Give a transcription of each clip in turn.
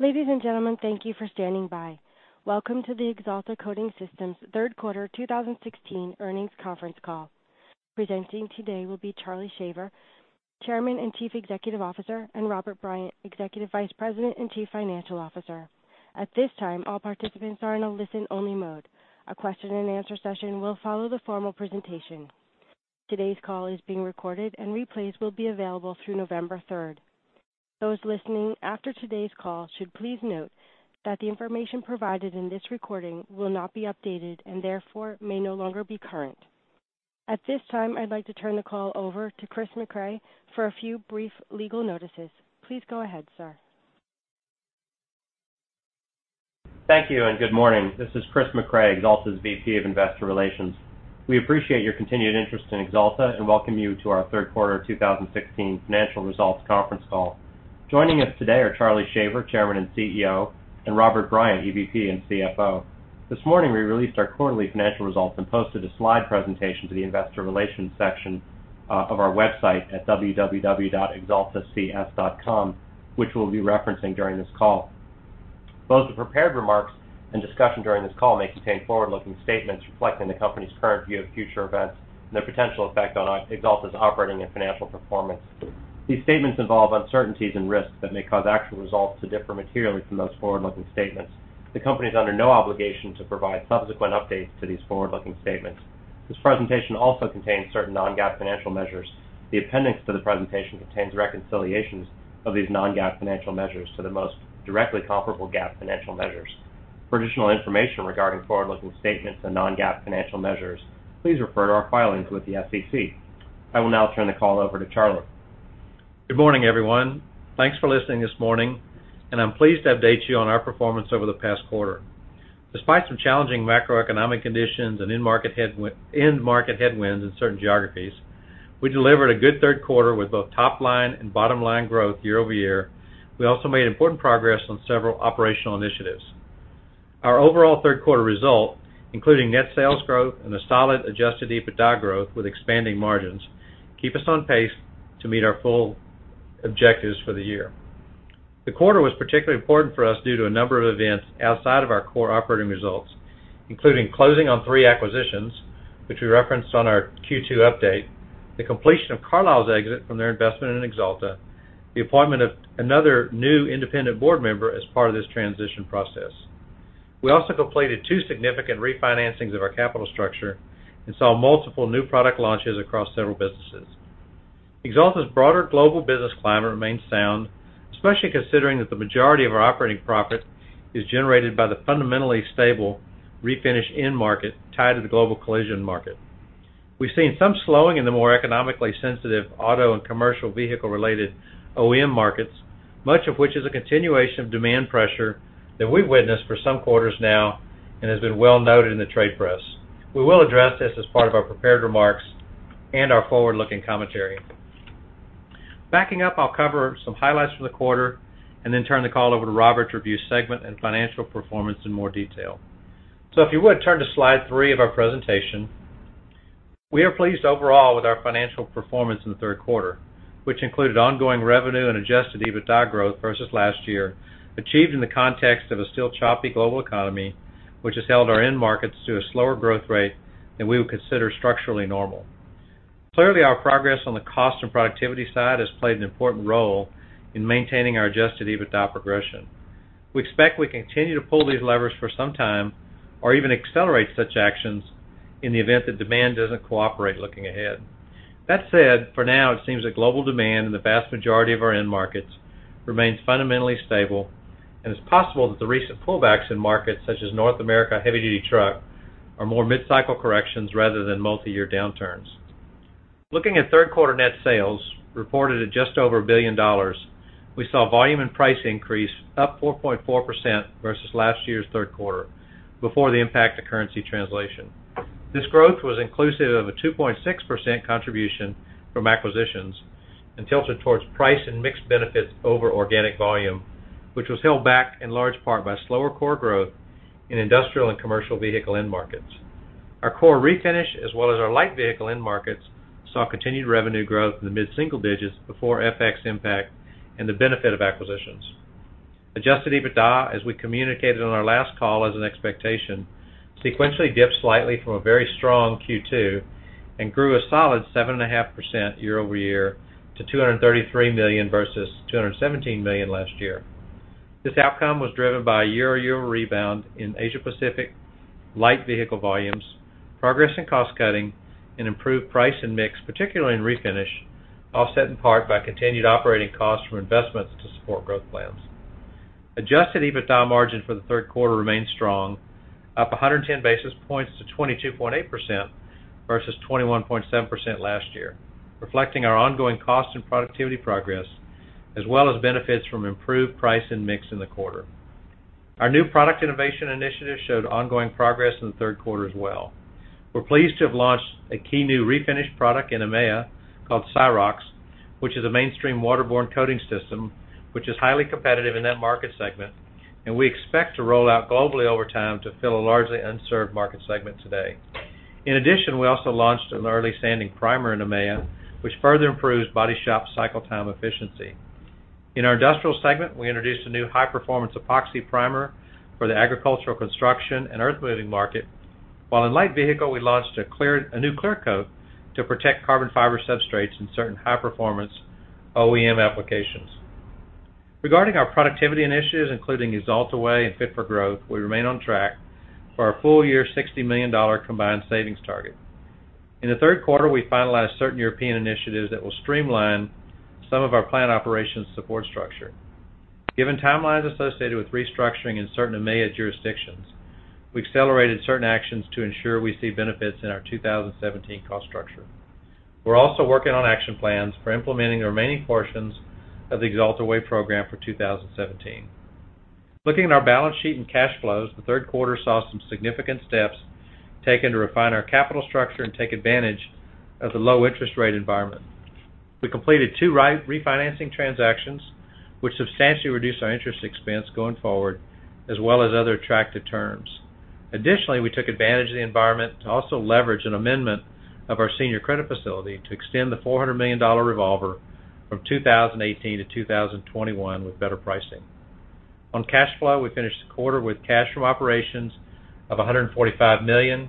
Ladies and gentlemen, thank you for standing by. Welcome to the Axalta Coating Systems third quarter 2016 earnings conference call. Presenting today will be Charlie Shaver, Chairman and Chief Executive Officer, and Robert Bryant, Executive Vice President and Chief Financial Officer. At this time, all participants are in a listen-only mode. A question and answer session will follow the formal presentation. Today's call is being recorded and replays will be available through November 3rd. Those listening after today's call should please note that the information provided in this recording will not be updated and therefore may no longer be current. At this time, I'd like to turn the call over to Chris Mecray for a few brief legal notices. Please go ahead, sir. Thank you. Good morning. This is Chris Mecray, Axalta's VP of Investor Relations. We appreciate your continued interest in Axalta and welcome you to our third quarter 2016 financial results conference call. Joining us today are Charlie Shaver, Chairman and CEO, and Robert Bryant, EVP and CFO. This morning, we released our quarterly financial results and posted a slide presentation to the investor relations section of our website at www.axaltacs.com, which we'll be referencing during this call. The prepared remarks and discussion during this call may contain forward-looking statements reflecting the company's current view of future events and their potential effect on Axalta's operating and financial performance. These statements involve uncertainties and risks that may cause actual results to differ materially from those forward-looking statements. The company is under no obligation to provide subsequent updates to these forward-looking statements. This presentation also contains certain non-GAAP financial measures. The appendix to the presentation contains reconciliations of these non-GAAP financial measures to the most directly comparable GAAP financial measures. For additional information regarding forward-looking statements and non-GAAP financial measures, please refer to our filings with the SEC. I will now turn the call over to Charlie. Good morning, everyone. Thanks for listening this morning. I'm pleased to update you on our performance over the past quarter. Despite some challenging macroeconomic conditions and end market headwinds in certain geographies, we delivered a good third quarter with both top line and bottom line growth year-over-year. We also made important progress on several operational initiatives. Our overall third quarter result, including net sales growth and a solid adjusted EBITDA growth with expanding margins, keep us on pace to meet our full objectives for the year. The quarter was particularly important for us due to a number of events outside of our core operating results, including closing on three acquisitions, which we referenced on our Q2 update, the completion of Carlyle's exit from their investment in Axalta, the appointment of another new independent board member as part of this transition process. We also completed two significant refinancings of our capital structure and saw multiple new product launches across several businesses. Axalta's broader global business climate remains sound, especially considering that the majority of our operating profit is generated by the fundamentally stable refinish end market tied to the global collision market. We've seen some slowing in the more economically sensitive auto and commercial vehicle-related OEM markets, much of which is a continuation of demand pressure that we've witnessed for some quarters now and has been well noted in the trade press. We will address this as part of our prepared remarks and our forward-looking commentary. Backing up, I'll cover some highlights from the quarter and then turn the call over to Robert to review segment and financial performance in more detail. If you would, turn to slide three of our presentation. We are pleased overall with our financial performance in the third quarter, which included ongoing revenue and adjusted EBITDA growth versus last year, achieved in the context of a still choppy global economy, which has held our end markets to a slower growth rate than we would consider structurally normal. Clearly, our progress on the cost and productivity side has played an important role in maintaining our adjusted EBITDA progression. We expect we continue to pull these levers for some time or even accelerate such actions in the event that demand doesn't cooperate looking ahead. That said, for now, it seems that global demand in the vast majority of our end markets remains fundamentally stable, and it's possible that the recent pullbacks in markets such as North America heavy-duty truck are more mid-cycle corrections rather than multi-year downturns. Looking at third quarter net sales reported at just over $1 billion, we saw volume and price increase up 4.4% versus last year's third quarter before the impact of currency translation. This growth was inclusive of a 2.6% contribution from acquisitions and tilted towards price and mixed benefits over organic volume, which was held back in large part by slower core growth in industrial and commercial vehicle end markets. Our core refinish, as well as our light vehicle end markets, saw continued revenue growth in the mid-single digits before FX impact and the benefit of acquisitions. Adjusted EBITDA, as we communicated on our last call as an expectation, sequentially dipped slightly from a very strong Q2 and grew a solid 7.5% year over year to $233 million versus $217 million last year. This outcome was driven by a year-over-year rebound in Asia-Pacific light vehicle volumes, progress in cost cutting, and improved price and mix, particularly in refinish, offset in part by continued operating costs from investments to support growth plans. Adjusted EBITDA margin for the third quarter remained strong, up 110 basis points to 22.8% versus 21.7% last year, reflecting our ongoing cost and productivity progress, as well as benefits from improved price and mix in the quarter. Our new product innovation initiative showed ongoing progress in the third quarter as well. We're pleased to have launched a key new refinish product in EMEA called Syrox, which is a mainstream waterborne coating system which is highly competitive in that market segment, and we expect to roll out globally over time to fill a largely unserved market segment today. In addition, we also launched an early sanding primer in EMEA, which further improves body shop cycle time efficiency. In our industrial segment, we introduced a new high-performance epoxy primer for the agricultural construction and earthmoving market. While in light vehicle, we launched a new clear coat to protect carbon fiber substrates in certain high-performance OEM applications. Regarding our productivity initiatives, including Axalta Way and Fit for Growth, we remain on track for our full year $60 million combined savings target. In the third quarter, we finalized certain European initiatives that will streamline some of our plant operations support structure. Given timelines associated with restructuring in certain EMEA jurisdictions, we accelerated certain actions to ensure we see benefits in our 2017 cost structure. We are also working on action plans for implementing the remaining portions of the Axalta Way program for 2017. Looking at our balance sheet and cash flows, the third quarter saw some significant steps taken to refine our capital structure and take advantage of the low interest rate environment. We completed two refinancing transactions, which substantially reduce our interest expense going forward, as well as other attractive terms. Additionally, we took advantage of the environment to also leverage an amendment of our senior credit facility to extend the $400 million revolver from 2018 to 2021 with better pricing. On cash flow, we finished the quarter with cash from operations of $145 million,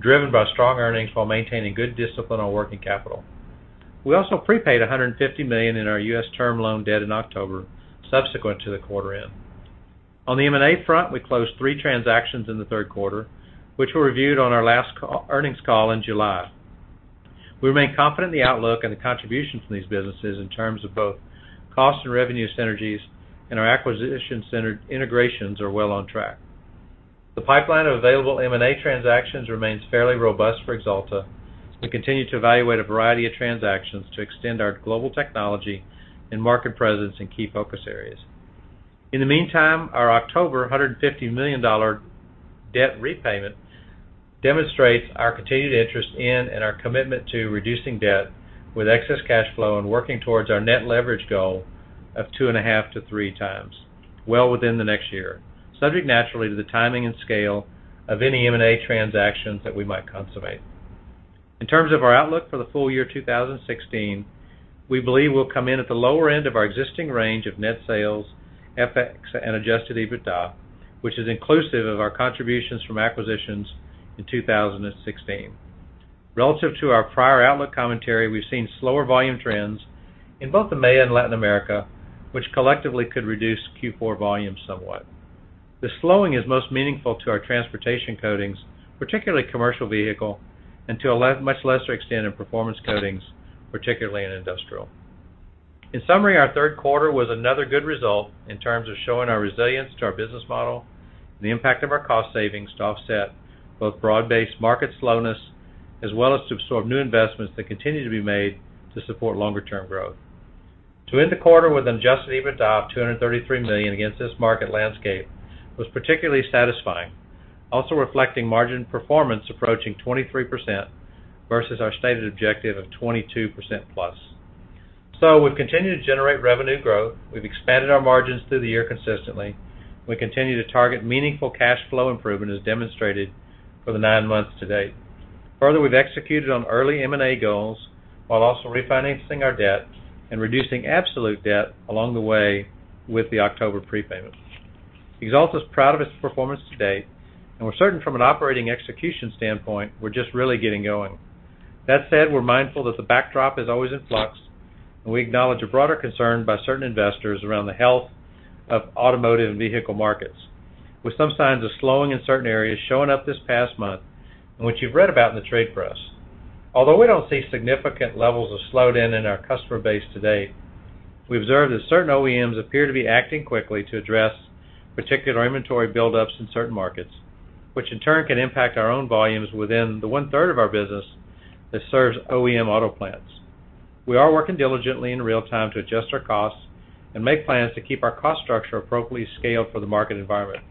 driven by strong earnings while maintaining good discipline on working capital. We also prepaid $150 million in our U.S. term loan debt in October, subsequent to the quarter end. On the M&A front, we closed three transactions in the third quarter, which were reviewed on our last earnings call in July. We remain confident in the outlook and the contributions from these businesses in terms of both cost and revenue synergies, and our acquisition integrations are well on track. The pipeline of available M&A transactions remains fairly robust for Axalta, as we continue to evaluate a variety of transactions to extend our global technology and market presence in key focus areas. In the meantime, our October $150 million debt repayment demonstrates our continued interest in and our commitment to reducing debt with excess cash flow and working towards our net leverage goal of two and a half to three times, well within the next year, subject naturally to the timing and scale of any M&A transactions that we might consummate. In terms of our outlook for the full year 2016, we believe we will come in at the lower end of our existing range of net sales, FX, and adjusted EBITDA, which is inclusive of our contributions from acquisitions in 2016. Relative to our prior outlook commentary, we have seen slower volume trends in both EMEA and Latin America, which collectively could reduce Q4 volumes somewhat. The slowing is most meaningful to our Transportation Coatings, particularly commercial vehicle, and to a much lesser extent, in Performance Coatings, particularly in industrial. In summary, our third quarter was another good result in terms of showing our resilience to our business model and the impact of our cost savings to offset both broad-based market slowness, as well as to absorb new investments that continue to be made to support longer term growth. To end the quarter with adjusted EBITDA of $233 million against this market landscape was particularly satisfying, also reflecting margin performance approaching 23% versus our stated objective of 22%+. We've continued to generate revenue growth, we've expanded our margins through the year consistently. We continue to target meaningful cash flow improvement as demonstrated for the nine months to date. Further, we've executed on early M&A goals while also refinancing our debt and reducing absolute debt along the way with the October prepayment. Axalta's proud of its performance to date, and we're certain from an operating execution standpoint, we're just really getting going. That said, we're mindful that the backdrop is always in flux, and we acknowledge a broader concern by certain investors around the health of automotive and vehicle markets, with some signs of slowing in certain areas showing up this past month and which you've read about in the trade press. Although we don't see significant levels of slowdown in our customer base to date, we observe that certain OEMs appear to be acting quickly to address particular inventory buildups in certain markets, which in turn can impact our own volumes within the one-third of our business that serves OEM auto plants. We are working diligently in real time to adjust our costs and make plans to keep our cost structure appropriately scaled for the market environment,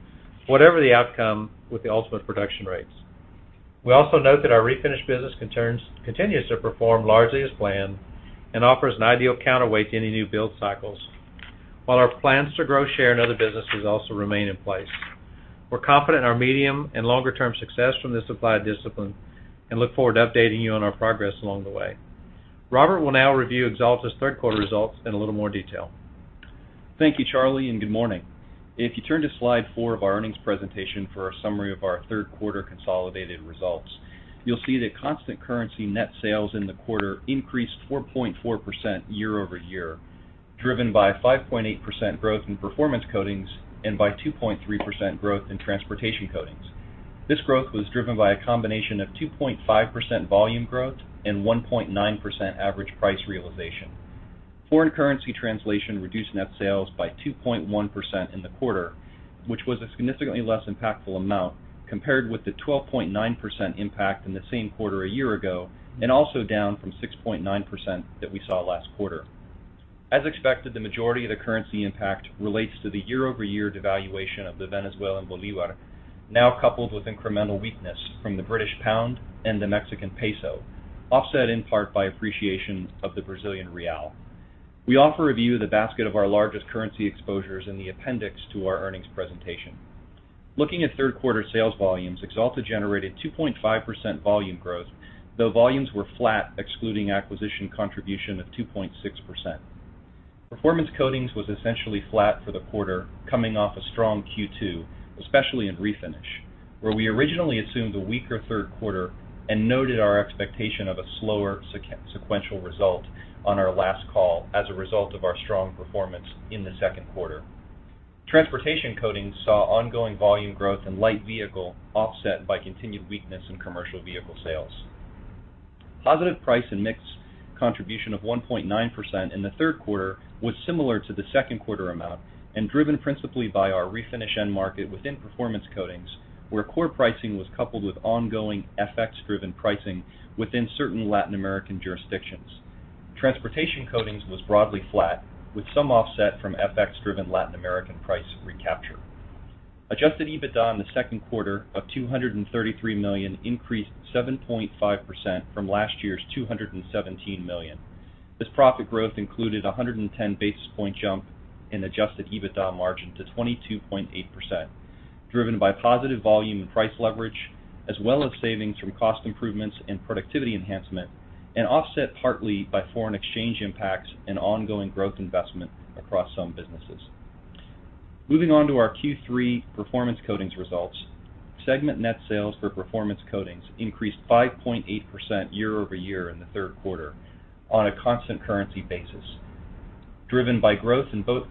whatever the outcome with the ultimate production rates. We also note that our refinish business continues to perform largely as planned and offers an ideal counterweight to any new build cycles, while our plans to grow share in other businesses also remain in place. We're confident in our medium and longer-term success from this applied discipline and look forward to updating you on our progress along the way. Robert will now review Axalta's third quarter results in a little more detail. Thank you, Charlie, and good morning. If you turn to slide four of our earnings presentation for a summary of our third quarter consolidated results, you'll see that constant currency net sales in the quarter increased 4.4% year-over-year, driven by 5.8% growth in Performance Coatings and by 2.3% growth in Transportation Coatings. This growth was driven by a combination of 2.5% volume growth and 1.9% average price realization. Foreign currency translation reduced net sales by 2.1% in the quarter, which was a significantly less impactful amount compared with the 12.9% impact in the same quarter a year ago, and also down from 6.9% that we saw last quarter. As expected, the majority of the currency impact relates to the year-over-year devaluation of the Venezuelan bolívar, now coupled with incremental weakness from the British pound and the Mexican peso, offset in part by appreciation of the Brazilian real. We offer a view of the basket of our largest currency exposures in the appendix to our earnings presentation. Looking at third quarter sales volumes, Axalta generated 2.5% volume growth, though volumes were flat excluding acquisition contribution of 2.6%. Performance Coatings was essentially flat for the quarter, coming off a strong Q2, especially in refinish, where we originally assumed a weaker third quarter and noted our expectation of a slower sequential result on our last call as a result of our strong performance in the second quarter. Transportation Coatings saw ongoing volume growth in light vehicle offset by continued weakness in commercial vehicle sales. Positive price and mix contribution of 1.9% in the third quarter was similar to the second quarter amount and driven principally by our refinish end market within Performance Coatings, where core pricing was coupled with ongoing FX-driven pricing within certain Latin American jurisdictions. Transportation Coatings was broadly flat, with some offset from FX-driven Latin American price recapture. Adjusted EBITDA in the second quarter of $233 million increased 7.5% from last year's $217 million. This profit growth included a 110 basis point jump in adjusted EBITDA margin to 22.8%, driven by positive volume and price leverage, as well as savings from cost improvements and productivity enhancement, offset partly by foreign exchange impacts and ongoing growth investment across some businesses. Moving on to our Q3 Performance Coatings results, segment net sales for Performance Coatings increased 5.8% year-over-year in the third quarter on a constant currency basis, driven by growth in both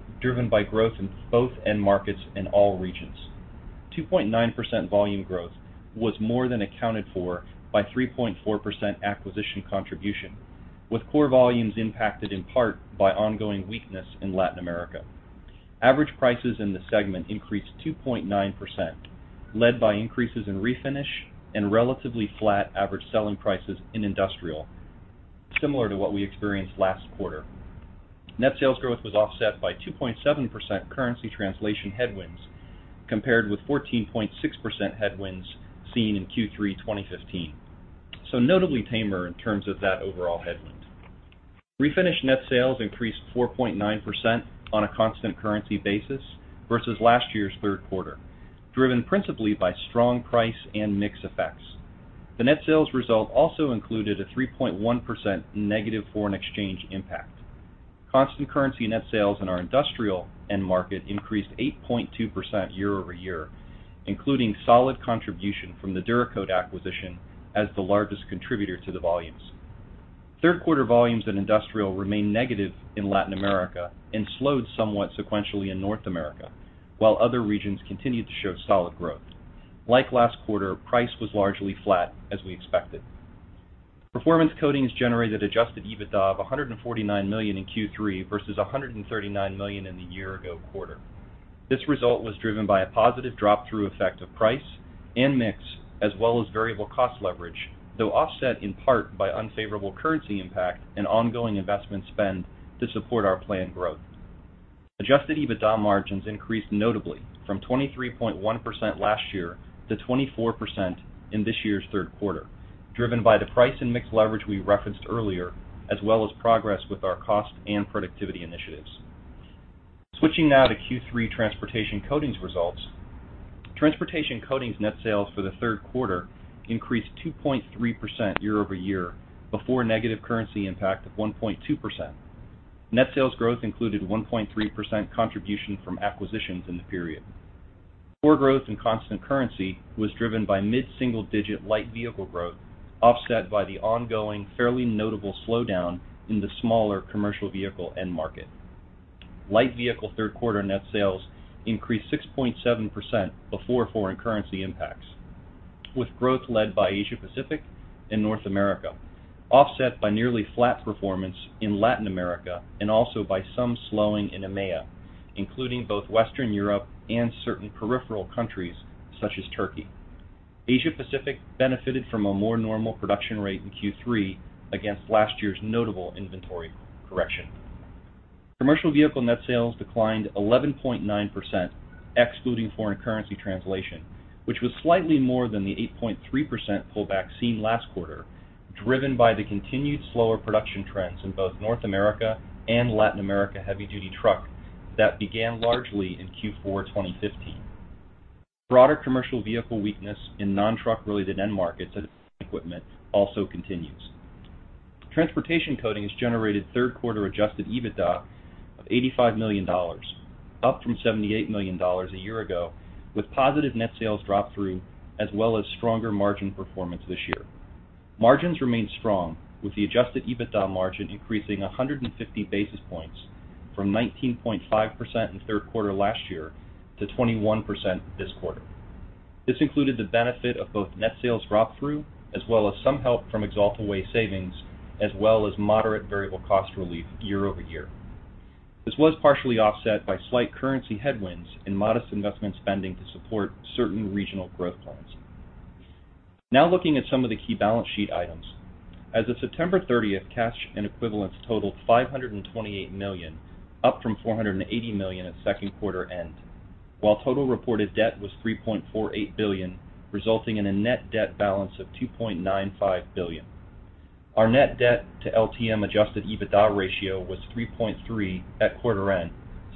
end markets in all regions. 2.9% volume growth was more than accounted for by 3.4% acquisition contribution, with core volumes impacted in part by ongoing weakness in Latin America. Average prices in the segment increased 2.9%, led by increases in refinish and relatively flat average selling prices in industrial, similar to what we experienced last quarter. Net sales growth was offset by 2.7% currency translation headwinds compared with 14.6% headwinds seen in Q3 2015, so notably tamer in terms of that overall headwind. Refinish net sales increased 4.9% on a constant currency basis versus last year's third quarter, driven principally by strong price and mix effects. The net sales result also included a 3.1% negative foreign exchange impact. Constant currency net sales in our industrial end market increased 8.2% year-over-year, including solid contribution from the Dura Coat Products acquisition as the largest contributor to the volumes. Third quarter volumes in industrial remained negative in Latin America and slowed somewhat sequentially in North America, while other regions continued to show solid growth. Like last quarter, price was largely flat as we expected. Performance Coatings generated adjusted EBITDA of $149 million in Q3 versus $139 million in the year-ago quarter. This result was driven by a positive drop-through effect of price and mix as well as variable cost leverage, though offset in part by unfavorable currency impact and ongoing investment spend to support our planned growth. Adjusted EBITDA margins increased notably from 23.1% last year to 24% in this year's third quarter, driven by the price and mix leverage we referenced earlier, as well as progress with our cost and productivity initiatives. Switching now to Q3 Transportation Coatings results. Transportation Coatings net sales for the third quarter increased 2.3% year-over-year before negative currency impact of 1.2%. Net sales growth included 1.3% contribution from acquisitions in the period. Core growth and constant currency was driven by mid-single-digit light vehicle growth, offset by the ongoing, fairly notable slowdown in the smaller commercial vehicle end market. Light vehicle third quarter net sales increased 6.7% before foreign currency impacts, with growth led by Asia Pacific and North America, offset by nearly flat performance in Latin America and also by some slowing in EMEA, including both Western Europe and certain peripheral countries such as Turkey. Asia Pacific benefited from a more normal production rate in Q3 against last year's notable inventory correction. Commercial vehicle net sales declined 11.9%, excluding foreign currency translation, which was slightly more than the 8.3% pullback seen last quarter, driven by the continued slower production trends in both North America and Latin America heavy-duty truck that began largely in Q4 2015. Broader commercial vehicle weakness in non-truck related end markets and equipment also continues. Transportation Coatings generated third quarter adjusted EBITDA of $85 million, up from $78 million a year ago, with positive net sales drop-through as well as stronger margin performance this year. Margins remained strong, with the adjusted EBITDA margin increasing 150 basis points from 19.5% in the third quarter last year to 21% this quarter. This included the benefit of both net sales drop-through as well as some help from Axalta Way savings, as well as moderate variable cost relief year-over-year. This was partially offset by slight currency headwinds and modest investment spending to support certain regional growth plans. Now looking at some of the key balance sheet items. As of September 30th, cash and equivalents totaled $528 million, up from $480 million at second quarter end. While total reported debt was $3.48 billion, resulting in a net debt balance of $2.95 billion. Our net debt to LTM adjusted EBITDA ratio was 3.3 at quarter end,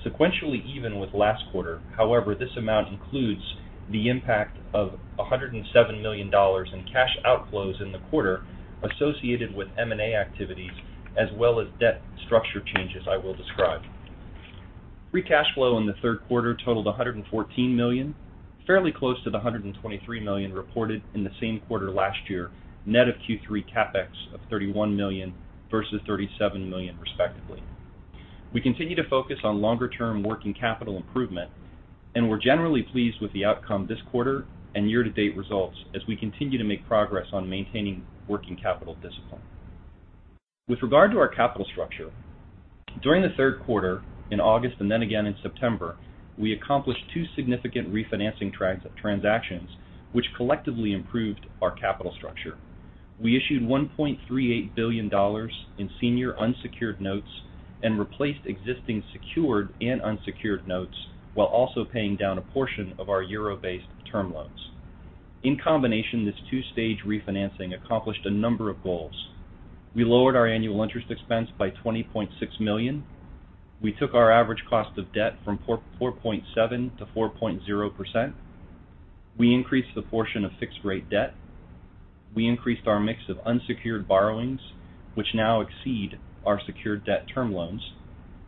sequentially even with last quarter. This amount includes the impact of $107 million in cash outflows in the quarter associated with M&A activities, as well as debt structure changes I will describe. Free cash flow in the third quarter totaled $114 million, fairly close to the $123 million reported in the same quarter last year, net of Q3 CapEx of $31 million versus $37 million respectively. We continue to focus on longer-term working capital improvement, and we're generally pleased with the outcome this quarter and year-to-date results as we continue to make progress on maintaining working capital discipline. With regard to our capital structure, during the third quarter in August and then again in September, we accomplished two significant refinancing transactions, which collectively improved our capital structure. We issued $1.38 billion in senior unsecured notes and replaced existing secured and unsecured notes while also paying down a portion of our euro-based term loans. In combination, this two-stage refinancing accomplished a number of goals. We lowered our annual interest expense by $20.6 million. We took our average cost of debt from 4.7% to 4.0%. We increased the portion of fixed-rate debt. We increased our mix of unsecured borrowings, which now exceed our secured debt term loans.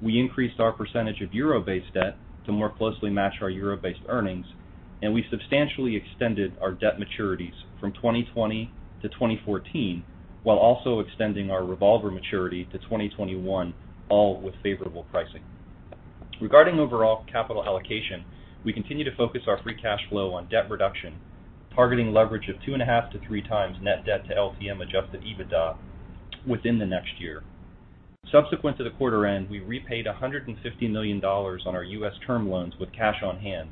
We increased our percentage of euro-based debt to more closely match our euro-based earnings, and we substantially extended our debt maturities from 2020 to 2024, while also extending our revolver maturity to 2021, all with favorable pricing. Regarding overall capital allocation, we continue to focus our free cash flow on debt reduction, targeting leverage of 2.5 to 3 times net debt to LTM adjusted EBITDA within the next year. Subsequent to the quarter-end, we repaid $150 million on our U.S. term loans with cash on hand,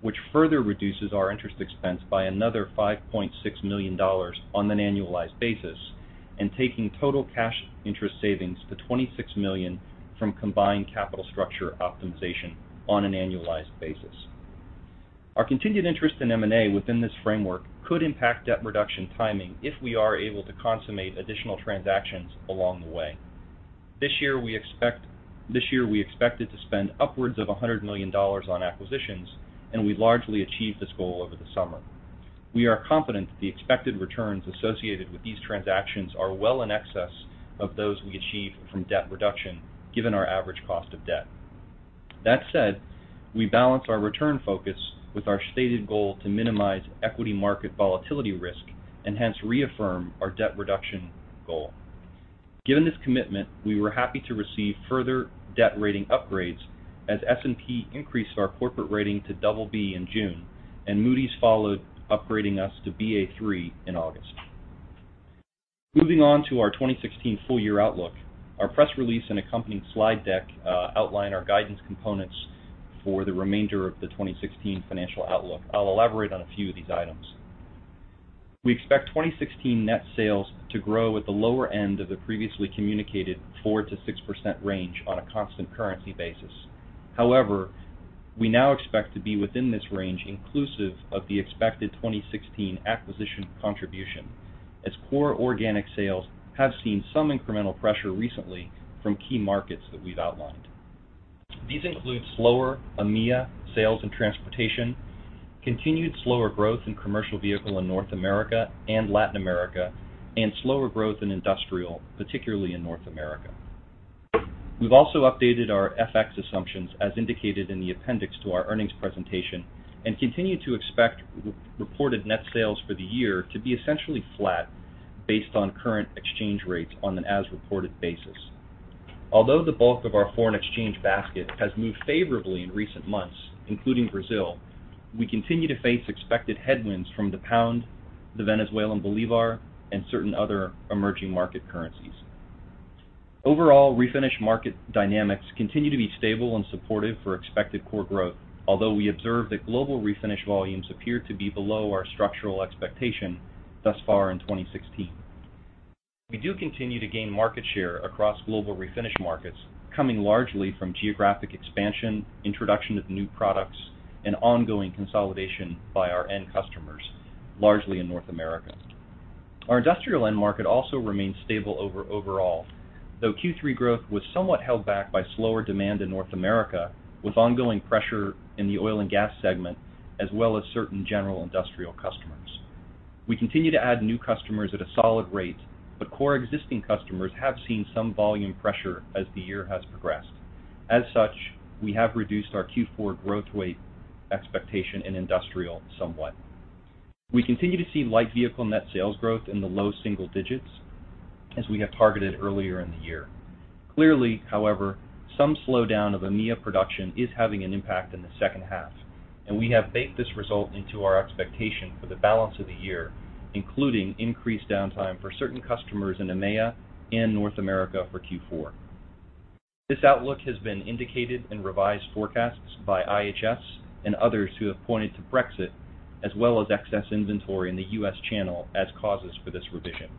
which further reduces our interest expense by another $5.6 million on an annualized basis, taking total cash interest savings to $26 million from combined capital structure optimization on an annualized basis. Our continued interest in M&A within this framework could impact debt reduction timing if we are able to consummate additional transactions along the way. This year, we expected to spend upwards of $100 million on acquisitions, and we largely achieved this goal over the summer. We are confident that the expected returns associated with these transactions are well in excess of those we achieve from debt reduction, given our average cost of debt. That said, we balance our return focus with our stated goal to minimize equity market volatility risk, hence reaffirm our debt reduction goal. Given this commitment, we were happy to receive further debt rating upgrades as S&P increased our corporate rating to BB in June. Moody's followed, upgrading us to Ba3 in August. Moving on to our 2016 full year outlook. Our press release and accompanying slide deck outline our guidance components for the remainder of the 2016 financial outlook. I'll elaborate on a few of these items. We expect 2016 net sales to grow at the lower end of the previously communicated 4%-6% range on a constant currency basis. However, we now expect to be within this range inclusive of the expected 2016 acquisition contribution, as core organic sales have seen some incremental pressure recently from key markets that we've outlined. These include slower EMEA sales and transportation, continued slower growth in commercial vehicle in North America and Latin America, and slower growth in industrial, particularly in North America. We've also updated our FX assumptions as indicated in the appendix to our earnings presentation and continue to expect reported net sales for the year to be essentially flat based on current exchange rates on an as-reported basis. Although the bulk of our foreign exchange basket has moved favorably in recent months, including Brazil, we continue to face expected headwinds from the pound, the Venezuelan bolívar, and certain other emerging market currencies. Overall, refinish market dynamics continue to be stable and supportive for expected core growth, although we observe that global refinish volumes appear to be below our structural expectation thus far in 2016. We do continue to gain market share across global refinish markets, coming largely from geographic expansion, introduction of new products, and ongoing consolidation by our end customers, largely in North America. Our industrial end market also remains stable overall, though Q3 growth was somewhat held back by slower demand in North America with ongoing pressure in the oil and gas segment, as well as certain general industrial customers. We continue to add new customers at a solid rate, core existing customers have seen some volume pressure as the year has progressed. As such, we have reduced our Q4 growth rate expectation in industrial somewhat. We continue to see light vehicle net sales growth in the low single digits as we have targeted earlier in the year. Clearly, however, some slowdown of EMEA production is having an impact in the second half, and we have baked this result into our expectation for the balance of the year, including increased downtime for certain customers in EMEA and North America for Q4. This outlook has been indicated in revised forecasts by IHS and others who have pointed to Brexit as well as excess inventory in the U.S. channel as causes for this revision.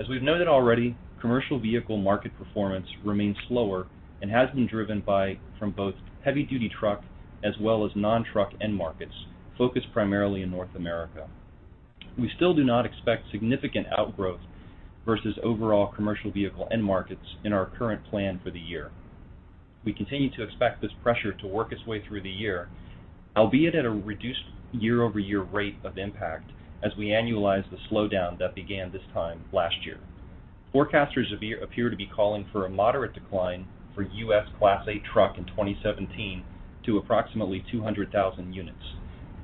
As we've noted already, commercial vehicle market performance remains slower and has been driven by both heavy-duty truck as well as non-truck end markets, focused primarily in North America. We still do not expect significant outgrowth versus overall commercial vehicle end markets in our current plan for the year. We continue to expect this pressure to work its way through the year, albeit at a reduced year-over-year rate of impact as we annualize the slowdown that began this time last year. Forecasters appear to be calling for a moderate decline for U.S. Class 8 truck in 2017 to approximately 200,000 units.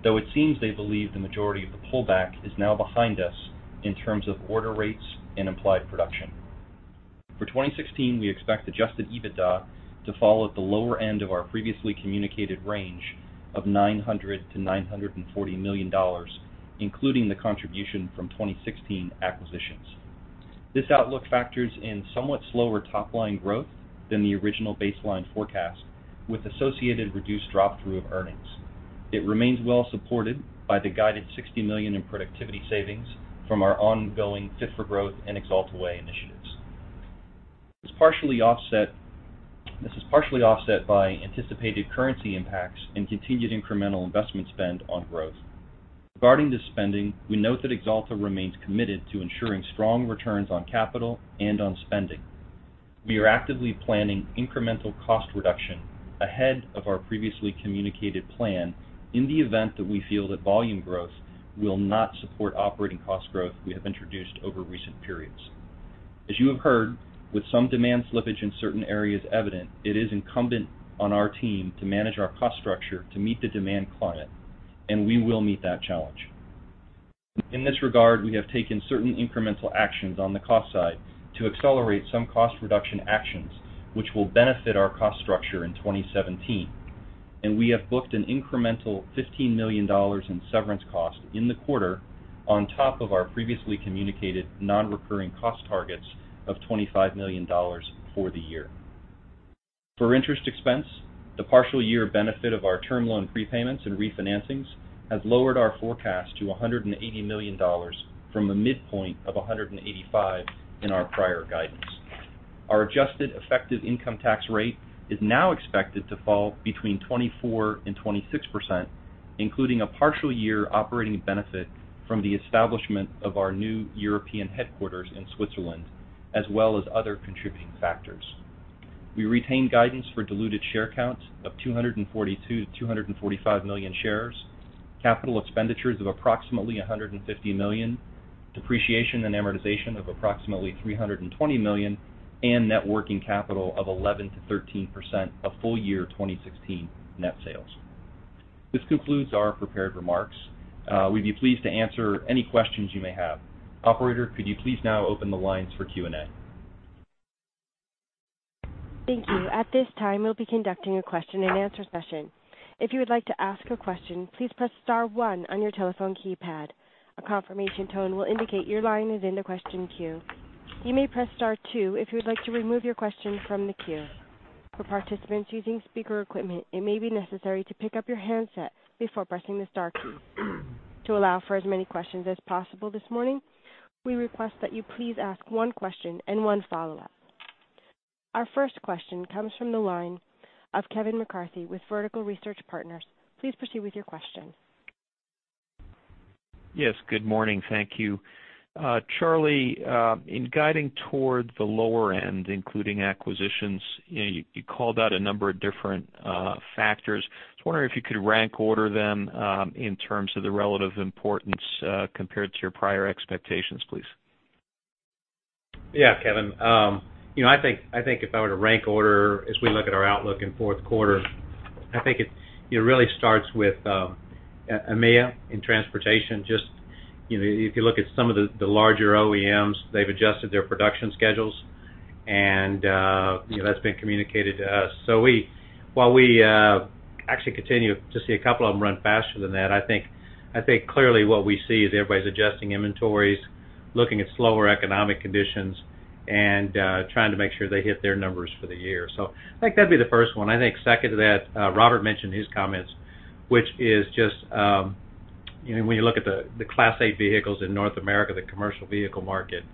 Though it seems they believe the majority of the pullback is now behind us in terms of order rates and implied production. For 2016, we expect adjusted EBITDA to fall at the lower end of our previously communicated range of $900 million-$940 million, including the contribution from 2016 acquisitions. This outlook factors in somewhat slower top-line growth than the original baseline forecast, with associated reduced drop-through of earnings. It remains well supported by the guided $60 million in productivity savings from our ongoing Fit for Growth and Axalta Way initiatives. This is partially offset by anticipated currency impacts and continued incremental investment spend on growth. Regarding the spending, we note that Axalta remains committed to ensuring strong returns on capital and on spending. We are actively planning incremental cost reduction ahead of our previously communicated plan in the event that we feel that volume growth will not support operating cost growth we have introduced over recent periods. As you have heard, with some demand slippage in certain areas evident, it is incumbent on our team to manage our cost structure to meet the demand climate, and we will meet that challenge. In this regard, we have taken certain incremental actions on the cost side to accelerate some cost reduction actions, which will benefit our cost structure in 2017. We have booked an incremental $15 million in severance cost in the quarter on top of our previously communicated non-recurring cost targets of $25 million for the year. For interest expense, the partial year benefit of our term loan prepayments and refinancings has lowered our forecast to $180 million from the midpoint of $185 million in our prior guidance. Our adjusted effective income tax rate is now expected to fall between 24%-26%, including a partial year operating benefit from the establishment of our new European headquarters in Switzerland, as well as other contributing factors. We retain guidance for diluted share count of 242 million-245 million shares, capital expenditures of approximately $150 million, depreciation and amortization of approximately $320 million, and net working capital of 11%-13% of full year 2016 net sales. This concludes our prepared remarks. We'd be pleased to answer any questions you may have. Operator, could you please now open the lines for Q&A? Thank you. At this time, we'll be conducting a question and answer session. If you would like to ask a question, please press star one on your telephone keypad. A confirmation tone will indicate your line is in the question queue. You may press star two if you would like to remove your question from the queue. For participants using speaker equipment, it may be necessary to pick up your handset before pressing the star key. To allow for as many questions as possible this morning, we request that you please ask one question and one follow-up. Our first question comes from the line of Kevin McCarthy with Vertical Research Partners. Please proceed with your question. Yes. Good morning. Thank you. Charlie, in guiding toward the lower end, including acquisitions, you called out a number of different factors. I was wondering if you could rank order them in terms of the relative importance, compared to your prior expectations, please. Yeah, Kevin. I think if I were to rank order as we look at our outlook in fourth quarter, I think it really starts with EMEA in transportation. If you look at some of the larger OEMs, they've adjusted their production schedules, and that's been communicated to us. While we actually continue to see a couple of them run faster than that, I think clearly what we see is everybody's adjusting inventories, looking at slower economic conditions, and trying to make sure they hit their numbers for the year. I think that'd be the first one. I think second to that, Robert mentioned his comments, which is just when you look at the Class 8 vehicles in North America, the commercial vehicle market,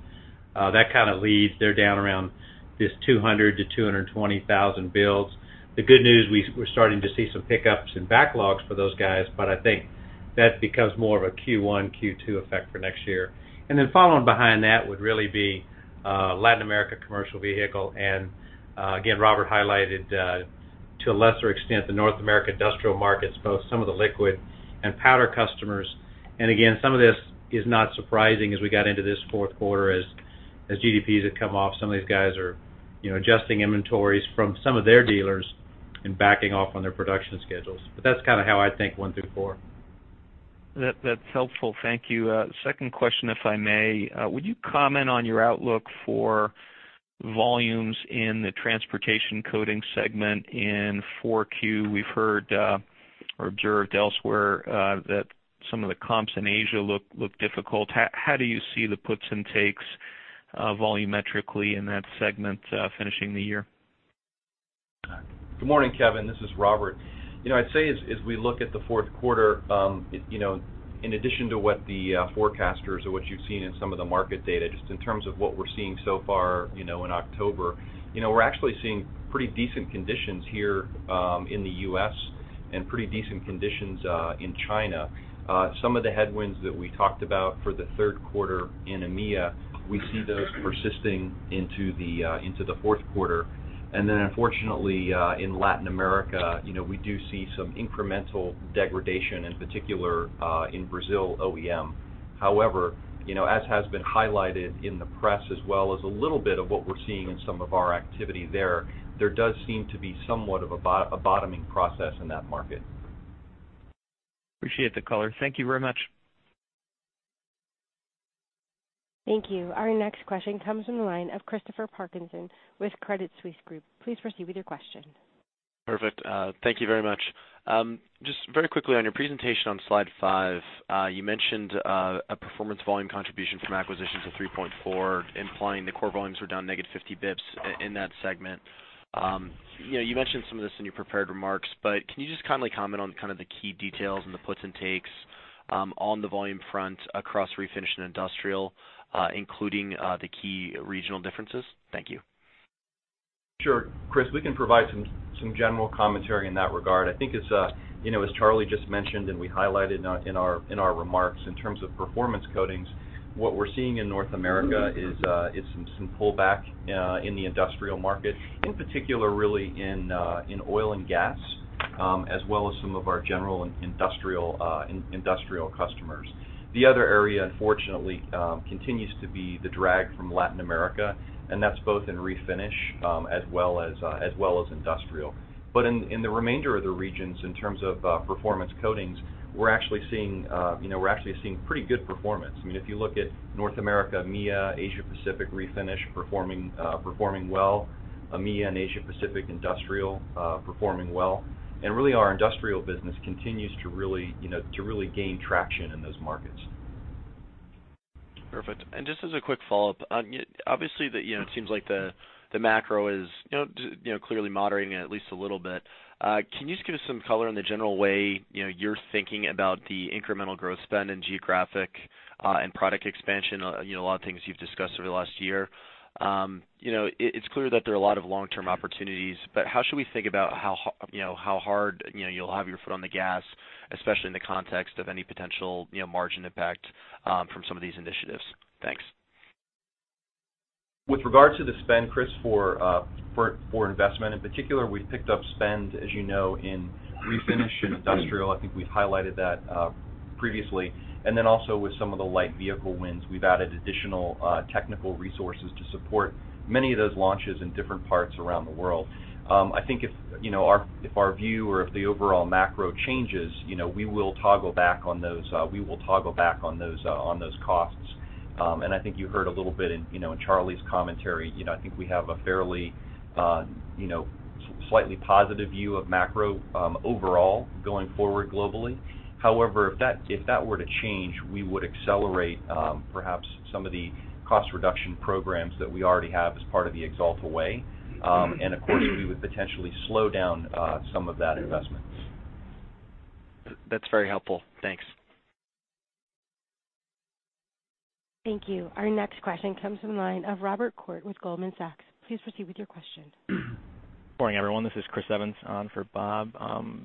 that kind of leads. They're down around this 200,000-220,000 builds. The good news, we're starting to see some pickups in backlogs for those guys. I think that becomes more of a Q1, Q2 effect for next year. Following behind that would really be Latin America commercial vehicle. Robert highlighted to a lesser extent the North America industrial markets, both some of the liquid and powder customers. Some of this is not surprising as we got into this fourth quarter as GDPs have come off. Some of these guys are adjusting inventories from some of their dealers and backing off on their production schedules. That's kind of how I think one through four. That's helpful. Thank you. Second question, if I may. Would you comment on your outlook for volumes in the Transportation Coatings segment in 4Q? We've heard or observed elsewhere that some of the comps in Asia look difficult. How do you see the puts and takes volumetrically in that segment finishing the year? Good morning, Kevin. This is Robert. I'd say as we look at the fourth quarter, in addition to what the forecasters or what you've seen in some of the market data, just in terms of what we're seeing so far in October, we're actually seeing pretty decent conditions here in the U.S. and pretty decent conditions in China. Some of the headwinds that we talked about for the third quarter in EMEA, we see those persisting into the fourth quarter. Unfortunately, in Latin America, we do see some incremental degradation, in particular, in Brazil OEM. However, as has been highlighted in the press, as well as a little bit of what we're seeing in some of our activity there does seem to be somewhat of a bottoming process in that market. Appreciate the color. Thank you very much. Thank you. Our next question comes from the line of Christopher Parkinson with Credit Suisse Group. Please proceed with your question. Perfect. Thank you very much. Just very quickly, on your presentation on slide five, you mentioned a Performance Coatings volume contribution from acquisitions of 3.4, implying the core volumes were down negative 50 basis points in that segment. You mentioned some of this in your prepared remarks, but can you just kindly comment on kind of the key details and the puts and takes on the volume front across Refinish and Industrial, including the key regional differences? Thank you. Sure. Chris, we can provide some general commentary in that regard. I think, as Charlie just mentioned and we highlighted in our remarks, in terms of Performance Coatings, what we're seeing in North America is some pullback in the industrial market, in particular really in oil and gas, as well as some of our general industrial customers. The other area, unfortunately, continues to be the drag from Latin America, and that's both in Refinish as well as Industrial. In the remainder of the regions, in terms of Performance Coatings, we're actually seeing pretty good performance. If you look at North America, EMEA, Asia Pacific Refinish performing well, EMEA and Asia Pacific Industrial performing well. Really, our industrial business continues to really gain traction in those markets. Perfect. Just as a quick follow-up. Obviously, it seems like the macro is clearly moderating, at least a little bit. Can you just give us some color on the general way you're thinking about the incremental growth spend and geographic and product expansion, a lot of things you've discussed over the last year. It's clear that there are a lot of long-term opportunities, but how should we think about how hard you'll have your foot on the gas, especially in the context of any potential margin impact from some of these initiatives? Thanks. With regard to the spend, Chris, for investment in particular, we've picked up spend, as you know, in Refinish and Industrial. I think we've highlighted that previously. Then also with some of the light vehicle wins, we've added additional technical resources to support many of those launches in different parts around the world. I think if our view or if the overall macro changes, we will toggle back on those costs. I think you heard a little bit in Charlie's commentary, I think we have a fairly slightly positive view of macro overall going forward globally. However, if that were to change, we would accelerate perhaps some of the cost reduction programs that we already have as part of the Axalta Way. Of course, we would potentially slow down some of that investment. That's very helpful. Thanks. Thank you. Our next question comes from the line of Robert Koort with Goldman Sachs. Please proceed with your question. Good morning, everyone. This is Chris Evans on for Bob.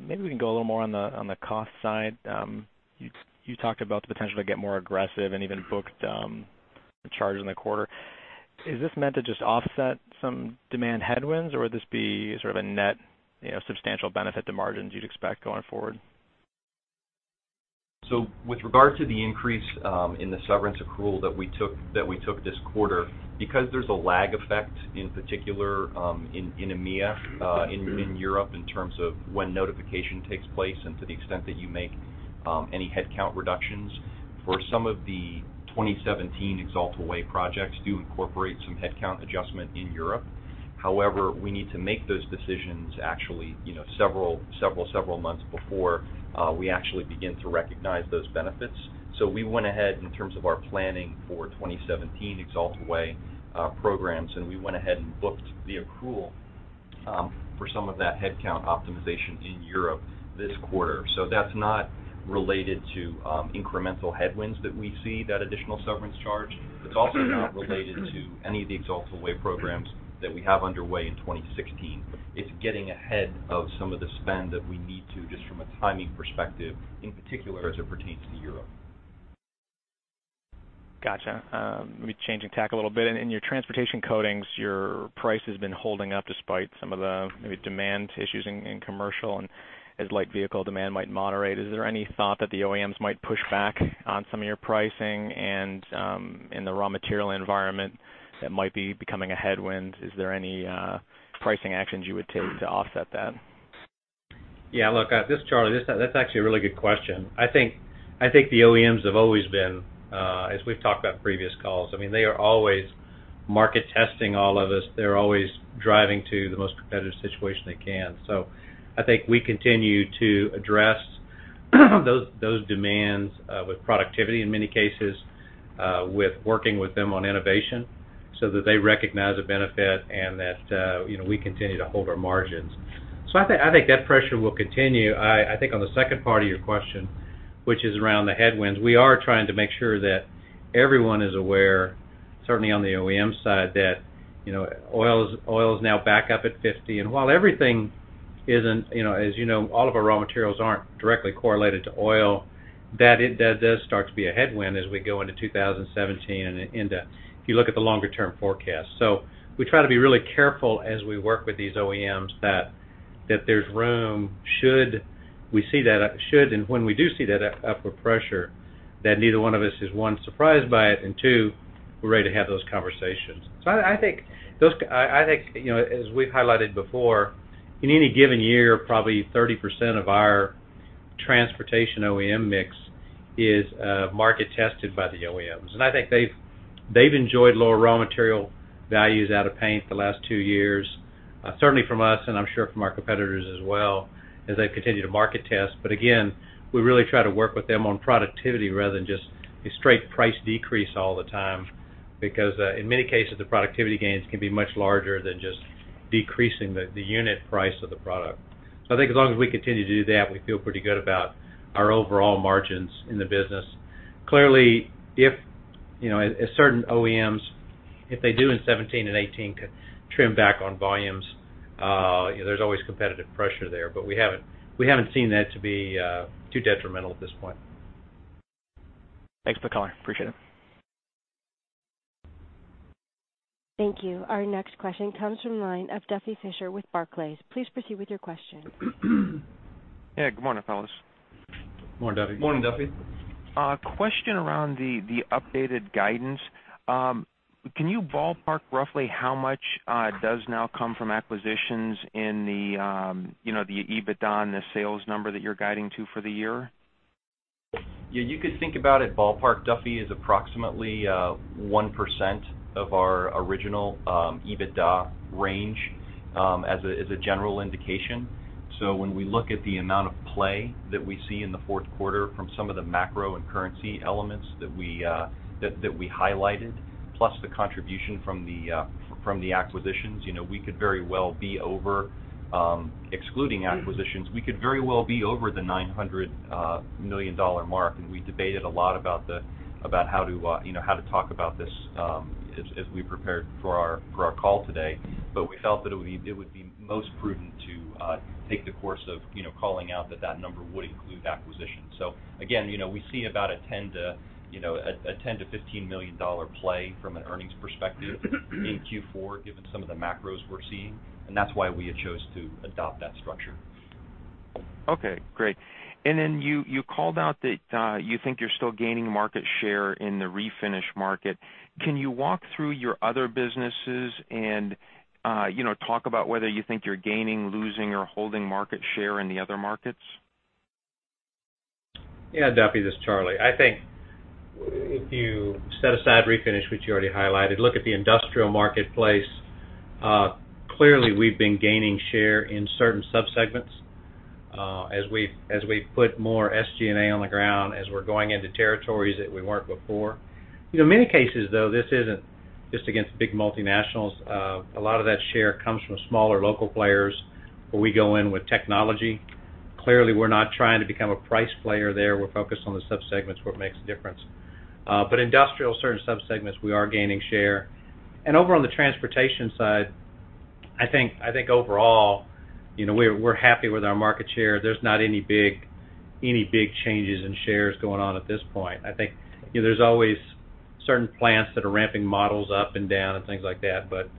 Maybe we can go a little more on the cost side. You talked about the potential to get more aggressive and even booked a charge in the quarter. Is this meant to just offset some demand headwinds, or would this be sort of a net substantial benefit to margins you'd expect going forward? With regard to the increase in the severance accrual that we took this quarter, because there's a lag effect, in particular in EMEA, in Europe, in terms of when notification takes place and to the extent that you make any headcount reductions. For some of the 2017 Axalta Way projects do incorporate some headcount adjustment in Europe. However, we need to make those decisions actually several months before we actually begin to recognize those benefits. We went ahead in terms of our planning for 2017 Axalta Way programs, and we went ahead and booked the accrual for some of that headcount optimization in Europe this quarter. That's not related to incremental headwinds that we see, that additional severance charge. It's also not related to any of the Axalta Way programs that we have underway in 2016. It's getting ahead of some of the spend that we need to, just from a timing perspective, in particular as it pertains to Europe. Gotcha. Let me change tack a little bit. In your Transportation Coatings, your price has been holding up despite some of the maybe demand issues in commercial and as light vehicle demand might moderate. Is there any thought that the OEMs might push back on some of your pricing and in the raw material environment that might be becoming a headwind? Is there any pricing actions you would take to offset that? Yeah, look, this is Charlie. That's actually a really good question. I think the OEMs have always been, as we've talked about in previous calls, they are always market testing all of us. They're always driving to the most competitive situation they can. I think we continue to address those demands with productivity, in many cases, with working with them on innovation, so that they recognize the benefit and that we continue to hold our margins. I think that pressure will continue. I think on the second part of your question, which is around the headwinds, we are trying to make sure that everyone is aware, certainly on the OEM side, that oil is now back up at 50. While everything isn't, as you know, all of our raw materials aren't directly correlated to oil, that does start to be a headwind as we go into 2017 and into, if you look at the longer term forecast. We try to be really careful as we work with these OEMs that there's room, should we see that, should and when we do see that upward pressure, that neither one of us is, one, surprised by it, and two, we're ready to have those conversations. I think, as we've highlighted before, in any given year, probably 30% of our transportation OEM mix is market-tested by the OEMs. I think they've enjoyed lower raw material values out of paint the last two years, certainly from us and I'm sure from our competitors as well, as they've continued to market test. Again, we really try to work with them on productivity rather than just a straight price decrease all the time. In many cases, the productivity gains can be much larger than just decreasing the unit price of the product. I think as long as we continue to do that, we feel pretty good about our overall margins in the business. Clearly, if certain OEMs, if they do in 2017 and 2018 trim back on volumes, there's always competitive pressure there, but we haven't seen that to be too detrimental at this point. Thanks for the color. Appreciate it. Thank you. Our next question comes from the line of Duffy Fischer with Barclays. Please proceed with your question. Yeah, good morning, fellas. Good morning, Duffy. Morning, Duffy. A question around the updated guidance. Can you ballpark roughly how much does now come from acquisitions in the EBITDA and the sales number that you're guiding to for the year? Yeah, you could think about it, ballpark, Duffy, as approximately 1% of our original EBITDA range, as a general indication. When we look at the amount of play that we see in the fourth quarter from some of the macro and currency elements that we highlighted, plus the contribution from the acquisitions, excluding acquisitions, we could very well be over the $900 million mark. We debated a lot about how to talk about this as we prepared for our call today. We felt that it would be most prudent to take the course of calling out that that number would include acquisitions. Again, we see about a $10 million-$15 million play from an earnings perspective in Q4, given some of the macros we're seeing, and that's why we had chose to adopt that structure. Okay, great. You called out that you think you're still gaining market share in the refinish market. Can you walk through your other businesses and talk about whether you think you're gaining, losing, or holding market share in the other markets? Yeah, Duffy, this is Charlie. I think if you set aside refinish, which you already highlighted, look at the industrial marketplace. Clearly, we've been gaining share in certain subsegments. As we put more SG&A on the ground, as we're going into territories that we weren't before. In many cases, though, this isn't just against big multinationals. A lot of that share comes from smaller local players, where we go in with technology. Clearly, we're not trying to become a price player there. We're focused on the subsegments where it makes a difference. Industrial, certain subsegments, we are gaining share. Over on the transportation side, I think overall, we're happy with our market share. There's not any big changes in shares going on at this point. I think there's always certain plants that are ramping models up and down and things like that, but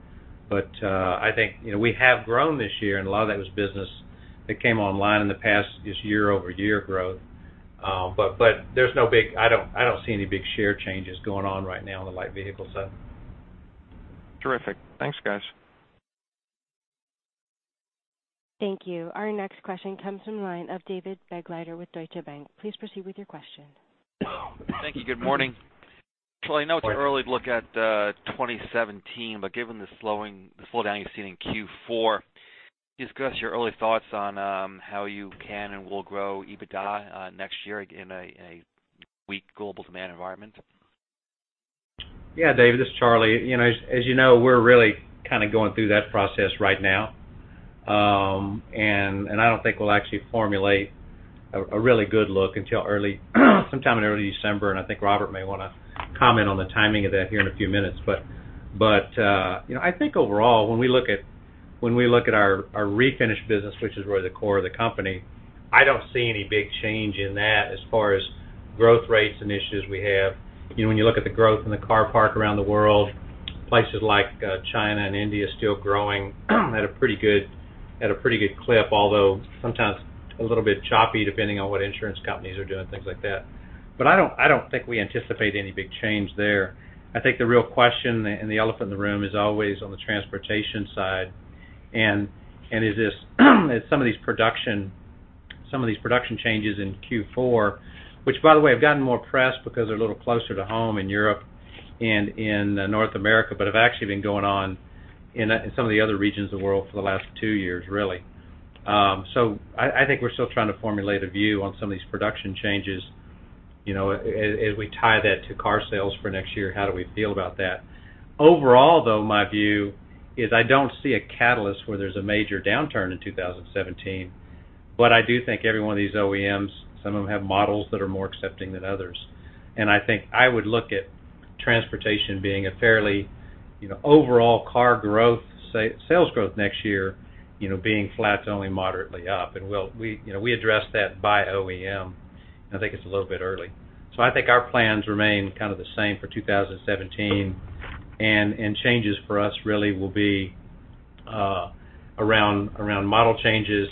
I think we have grown this year, and a lot of that was business that came online in the past, is year-over-year growth. I don't see any big share changes going on right now on the light vehicle side. Terrific. Thanks, guys. Thank you. Our next question comes from the line of David Begleiter with Deutsche Bank. Please proceed with your question. Thank you. Good morning. Morning. Charlie, I know it's early to look at 2017, but given the slowdown you've seen in Q4, can you discuss your early thoughts on how you can and will grow EBITDA next year in a weak global demand environment? Yeah. David, this is Charlie. As you know, we're really kind of going through that process right now. I don't think we'll actually formulate a really good look until sometime in early December, and I think Robert may want to comment on the timing of that here in a few minutes. Overall, though, when we look at our refinish business, which is really the core of the company, I don't see any big change in that as far as growth rates and issues we have. When you look at the growth in the car park around the world, places like China and India are still growing at a pretty good clip, although sometimes a little bit choppy, depending on what insurance companies are doing, things like that. I don't think we anticipate any big change there. I think the real question and the elephant in the room is always on the transportation side, and some of these production changes in Q4, which, by the way, have gotten more press because they're a little closer to home in Europe and in North America, but have actually been going on in some of the other regions of the world for the last two years, really. I think we're still trying to formulate a view on some of these production changes, as we tie that to car sales for next year, how do we feel about that? Overall, though, my view is I don't see a catalyst where there's a major downturn in 2017. I do think every one of these OEMs, some of them have models that are more accepting than others. I think I would look at transportation being a fairly overall car growth, sales growth next year, being flat to only moderately up. We address that by OEM, and I think it's a little bit early. I think our plans remain kind of the same for 2017, and changes for us really will be around model changes,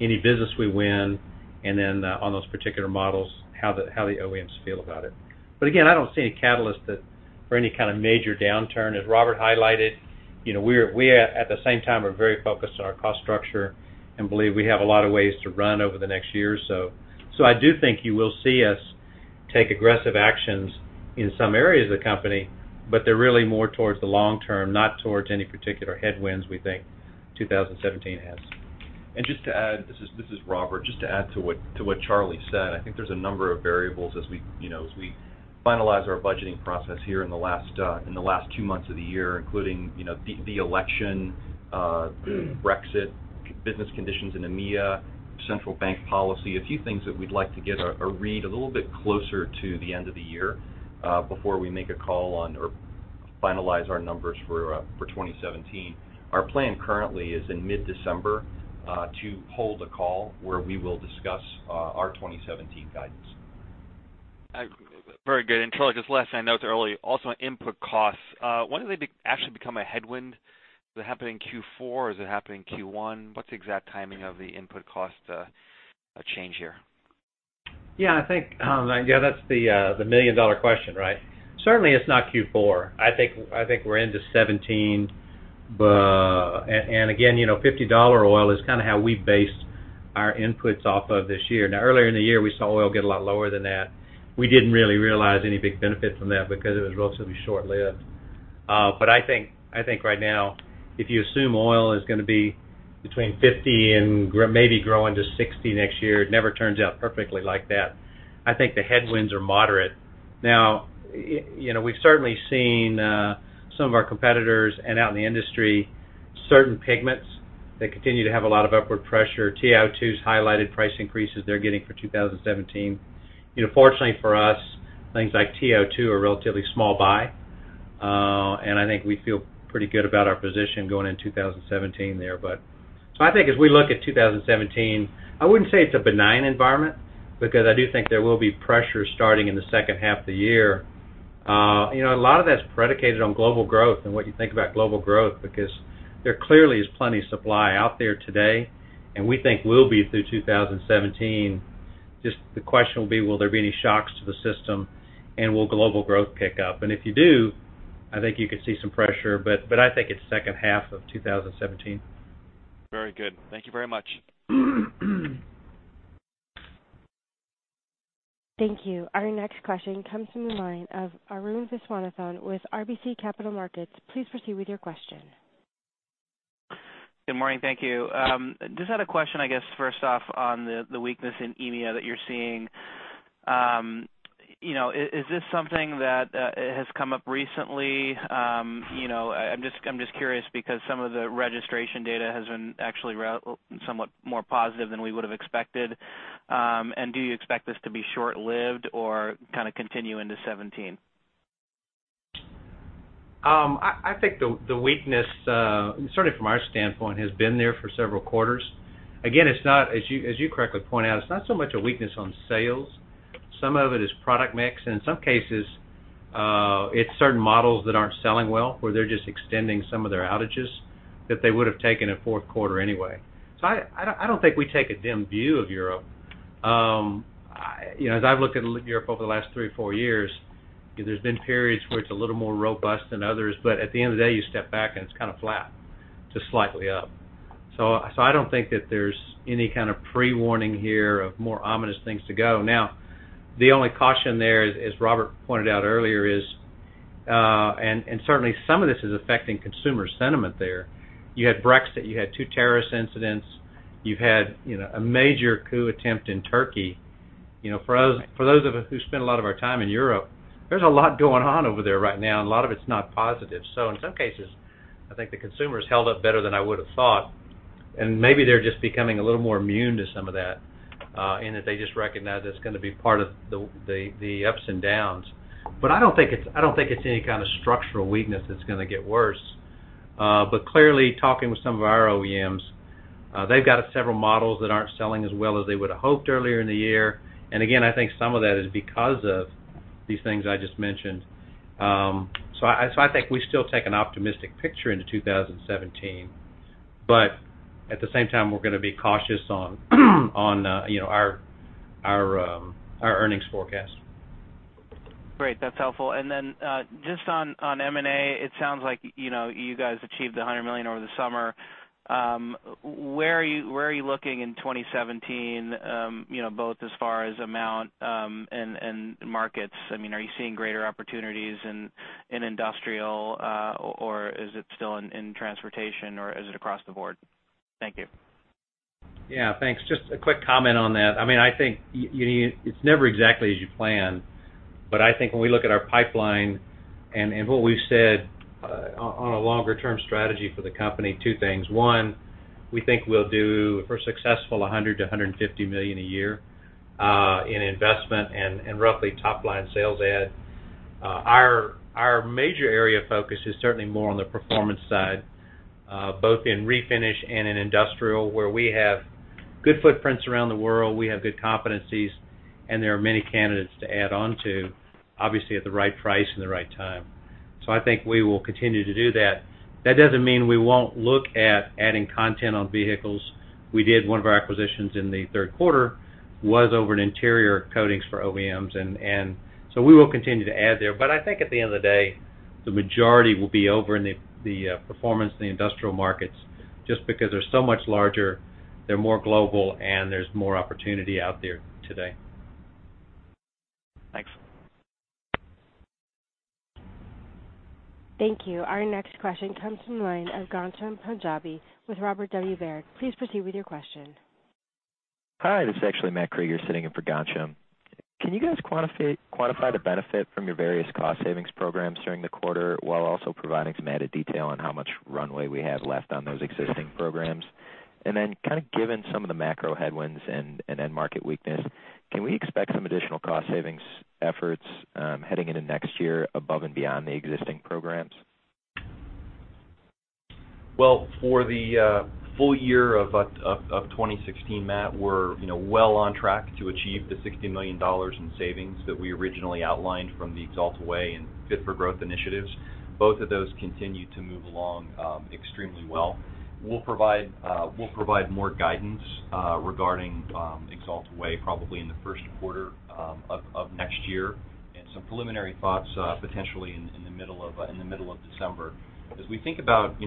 any business we win, and then on those particular models, how the OEMs feel about it. Again, I don't see any catalyst for any kind of major downturn. As Robert highlighted, we at the same time are very focused on our cost structure and believe we have a lot of ways to run over the next year or so. I do think you will see us take aggressive actions in some areas of the company, but they're really more towards the long term, not towards any particular headwinds we think 2017 has. Just to add, this is Robert Bryant. Just to add to what Charlie Shaver said, I think there's a number of variables as we finalize our budgeting process here in the last two months of the year, including the election, Brexit, business conditions in EMEA, central bank policy. A few things that we'd like to get a read a little bit closer to the end of the year, before we make a call on or finalize our numbers for 2017. Our plan currently is in mid-December to hold a call where we will discuss our 2017 guidance. Very good. Charlie, just last, I know it's early. Also on input costs. When do they actually become a headwind? Does it happen in Q4? Does it happen in Q1? What's the exact timing of the input cost change here? I think that's the million-dollar question, right? Certainly it's not Q4. I think we're into 2017. Again, $50 oil is kind of how we based our inputs off of this year. Now, earlier in the year, we saw oil get a lot lower than that. We didn't really realize any big benefit from that because it was relatively short-lived. But I think right now, if you assume oil is going to be between 50 and maybe grow into 60 next year, it never turns out perfectly like that. I think the headwinds are moderate. Now, we've certainly seen some of our competitors and out in the industry, certain pigments that continue to have a lot of upward pressure. TiO2's highlighted price increases they're getting for 2017. Fortunately for us, things like TiO2 are relatively small buy. I think we feel pretty good about our position going into 2017 there. I think as we look at 2017, I wouldn't say it's a benign environment because I do think there will be pressure starting in the second half of the year. A lot of that's predicated on global growth and what you think about global growth, because there clearly is plenty of supply out there today, and we think will be through 2017. Just the question will be, will there be any shocks to the system, and will global growth pick up? If you do, I think you could see some pressure, but I think it's second half of 2017. Very good. Thank you very much. Thank you. Our next question comes from the line of Arun Viswanathan with RBC Capital Markets. Please proceed with your question. Good morning. Thank you. Just had a question, I guess, first off, on the weakness in EMEA that you're seeing. Is this something that has come up recently? I'm just curious because some of the registration data has been actually somewhat more positive than we would've expected. Do you expect this to be short-lived or kind of continue into 2017? I think the weakness, certainly from our standpoint, has been there for several quarters. Again, as you correctly point out, it's not so much a weakness on sales. Some of it is product mix, and in some cases, it's certain models that aren't selling well, where they're just extending some of their outages that they would've taken in fourth quarter anyway. I don't think we take a dim view of Europe. As I've looked at Europe over the last three or four years, there's been periods where it's a little more robust than others. At the end of the day, you step back and it's kind of flat to slightly up. I don't think that there's any kind of pre-warning here of more ominous things to go. The only caution there, as Robert pointed out earlier is, certainly some of this is affecting consumer sentiment there. You had Brexit, you had two terrorist incidents, you've had a major coup attempt in Turkey. For those of us who spend a lot of our time in Europe, there's a lot going on over there right now, and a lot of it's not positive. In some cases, I think the consumer's held up better than I would've thought, and maybe they're just becoming a little more immune to some of that, in that they just recognize it's going to be part of the ups and downs. I don't think it's any kind of structural weakness that's going to get worse. Clearly talking with some of our OEMs, they've got several models that aren't selling as well as they would've hoped earlier in the year. Again, I think some of that is because of these things I just mentioned. I think we still take an optimistic picture into 2017. At the same time, we're going to be cautious on our earnings forecast. Great. That's helpful. Just on M&A, it sounds like you guys achieved the $100 million over the summer. Where are you looking in 2017, both as far as amount and markets? Are you seeing greater opportunities in industrial, or is it still in transportation, or is it across the board? Thank you. Yeah. Thanks. Just a quick comment on that. I think it's never exactly as you plan, but I think when we look at our pipeline and what we've said on a longer-term strategy for the company, two things. One, we think we're successful $100 million-$150 million a year in investment and roughly top-line sales add. Our major area of focus is certainly more on the Performance side, both in refinish and in industrial, where we have good footprints around the world, we have good competencies, and there are many candidates to add onto, obviously, at the right price and the right time. I think we will continue to do that. That doesn't mean we won't look at adding content on vehicles. We did. One of our acquisitions in the third quarter was over interior coatings for OEMs, we will continue to add there. I think at the end of the day, the majority will be over in the performance in the industrial markets just because they're so much larger, they're more global, and there's more opportunity out there today. Thanks. Thank you. Our next question comes from the line of Ghansham Panjabi with Robert W. Baird. Please proceed with your question. Hi, this is actually Matt Krieger sitting in for Ghansham. Can you guys quantify the benefit from your various cost savings programs during the quarter while also providing some added detail on how much runway we have left on those existing programs? Given some of the macro headwinds and end market weakness, can we expect some additional cost savings efforts heading into next year above and beyond the existing programs? For the full year of 2016, Matt, we're well on track to achieve the $60 million in savings that we originally outlined from the Axalta Way and Fit-for-Growth initiatives. Both of those continue to move along extremely well. We'll provide more guidance regarding Axalta Way probably in the first quarter of next year, and some preliminary thoughts potentially in the middle of December. As we think about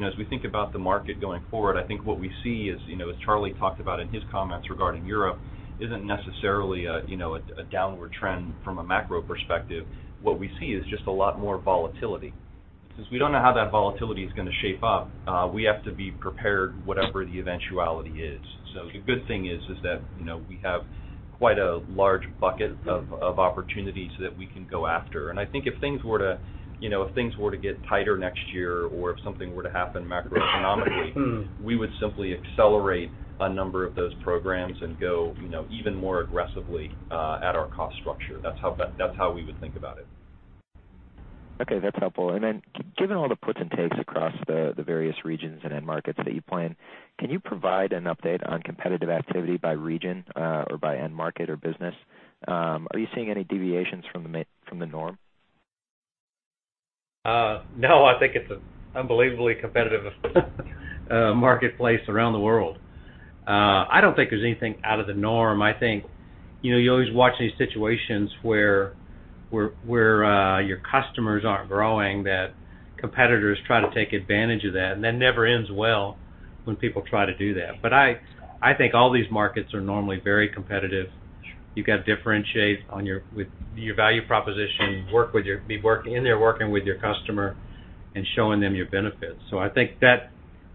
the market going forward, I think what we see, as Charlie talked about in his comments regarding Europe, isn't necessarily a downward trend from a macro perspective. What we see is just a lot more volatility. Since we don't know how that volatility is going to shape up, we have to be prepared whatever the eventuality is. The good thing is that we have quite a large bucket of opportunities that we can go after. I think if things were to get tighter next year or if something were to happen macroeconomically, we would simply accelerate a number of those programs and go even more aggressively at our cost structure. That's how we would think about it. Okay. That's helpful. Given all the puts and takes across the various regions and end markets that you plan, can you provide an update on competitive activity by region or by end market or business? Are you seeing any deviations from the norm? No, I think it's an unbelievably competitive marketplace around the world. I don't think there's anything out of the norm. You always watch these situations where your customers aren't growing, that competitors try to take advantage of that, and that never ends well when people try to do that. I think all these markets are normally very competitive. You've got to differentiate with your value proposition, be working in there, working with your customer, and showing them your benefits. I think that's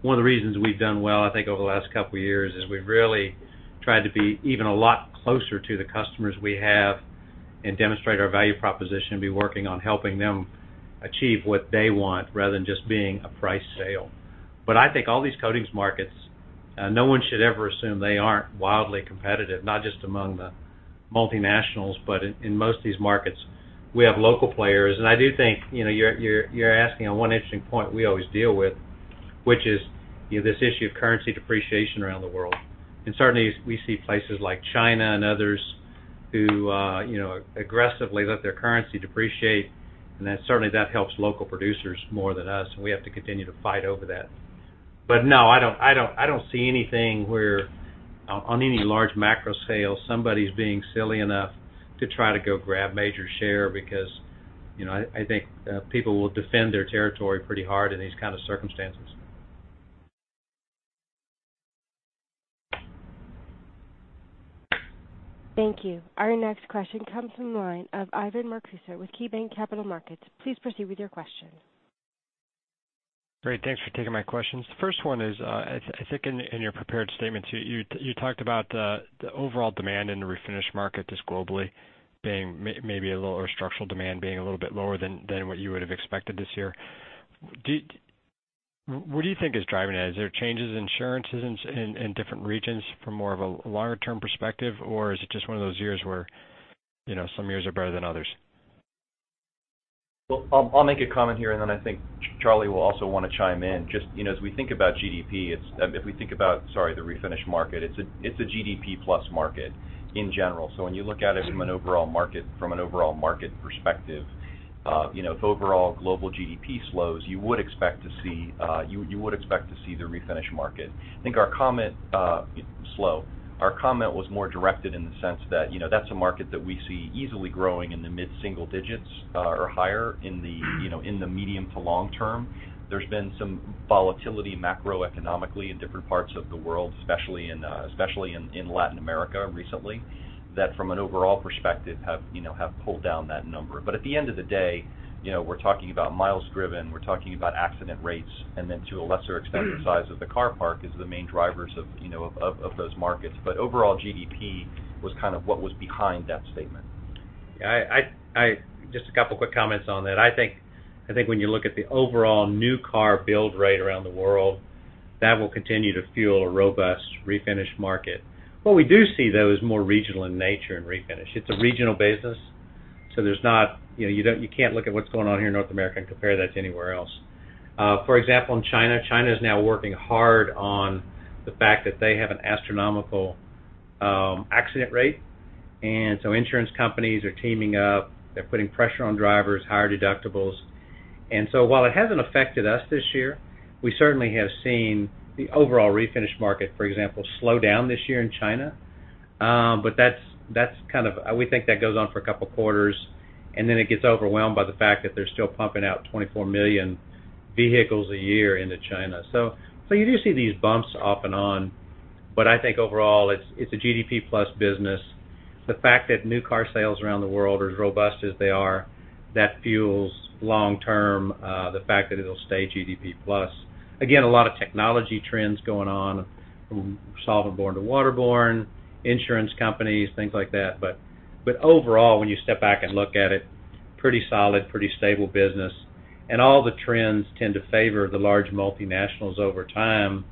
one of the reasons we've done well, I think, over the last couple of years, is we've really tried to be even a lot closer to the customers we have and demonstrate our value proposition and be working on helping them achieve what they want rather than just being a price sale. I think all these coatings markets, no one should ever assume they aren't wildly competitive, not just among the multinationals, but in most of these markets. We have local players, I do think you're asking on one interesting point we always deal with, which is this issue of currency depreciation around the world. Certainly, we see places like China and others who aggressively let their currency depreciate, certainly that helps local producers more than us, and we have to continue to fight over that. No, I don't see anything where on any large macro scale, somebody's being silly enough to try to go grab major share, because I think people will defend their territory pretty hard in these kind of circumstances. Thank you. Our next question comes from the line of Ivan Marcuse with KeyBanc Capital Markets. Please proceed with your question. Great. Thanks for taking my questions. The first one is, I think in your prepared statement, you talked about the overall demand in the refinish market just globally being maybe a little structural demand, being a little bit lower than what you would have expected this year. What do you think is driving that? Is there changes in insurances in different regions from more of a longer-term perspective, or is it just one of those years where some years are better than others? Well, I'll make a comment here, then I think Charlie will also want to chime in. Just as we think about, sorry, the refinish market, it's a GDP plus market in general. When you look at it from an overall market perspective, if overall global GDP slows, you would expect to see the refinish market. I think our comment, slow. Our comment was more directed in the sense that that's a market that we see easily growing in the mid-single digits or higher in the medium-to-long term. There's been some volatility macroeconomically in different parts of the world, especially in Latin America recently, that from an overall perspective have pulled down that number. At the end of the day, we're talking about miles driven, we're talking about accident rates, then to a lesser extent, the size of the car park is the main drivers of those markets. Overall GDP was kind of what was behind that statement. Yeah. Just a couple of quick comments on that. I think when you look at the overall new car build rate around the world, that will continue to fuel a robust refinish market. What we do see, though, is more regional in nature in refinish. It's a regional business, so you can't look at what's going on here in North America and compare that to anywhere else. For example, in China is now working hard on the fact that they have an astronomical accident rate, and so insurance companies are teaming up. They're putting pressure on drivers, higher deductibles. While it hasn't affected us this year, we certainly have seen the overall refinish market, for example, slow down this year in China. We think that goes on for a couple of quarters, and then it gets overwhelmed by the fact that they're still pumping out 24 million vehicles a year into China. You do see these bumps off and on. I think overall, it's a GDP plus business. The fact that new car sales around the world are as robust as they are, that fuels long-term, the fact that it'll stay GDP plus. Again, a lot of technology trends going on from solvent-borne to water-borne, insurance companies, things like that. Overall, when you step back and look at it, pretty solid, pretty stable business. All the trends tend to favor the large multinationals over time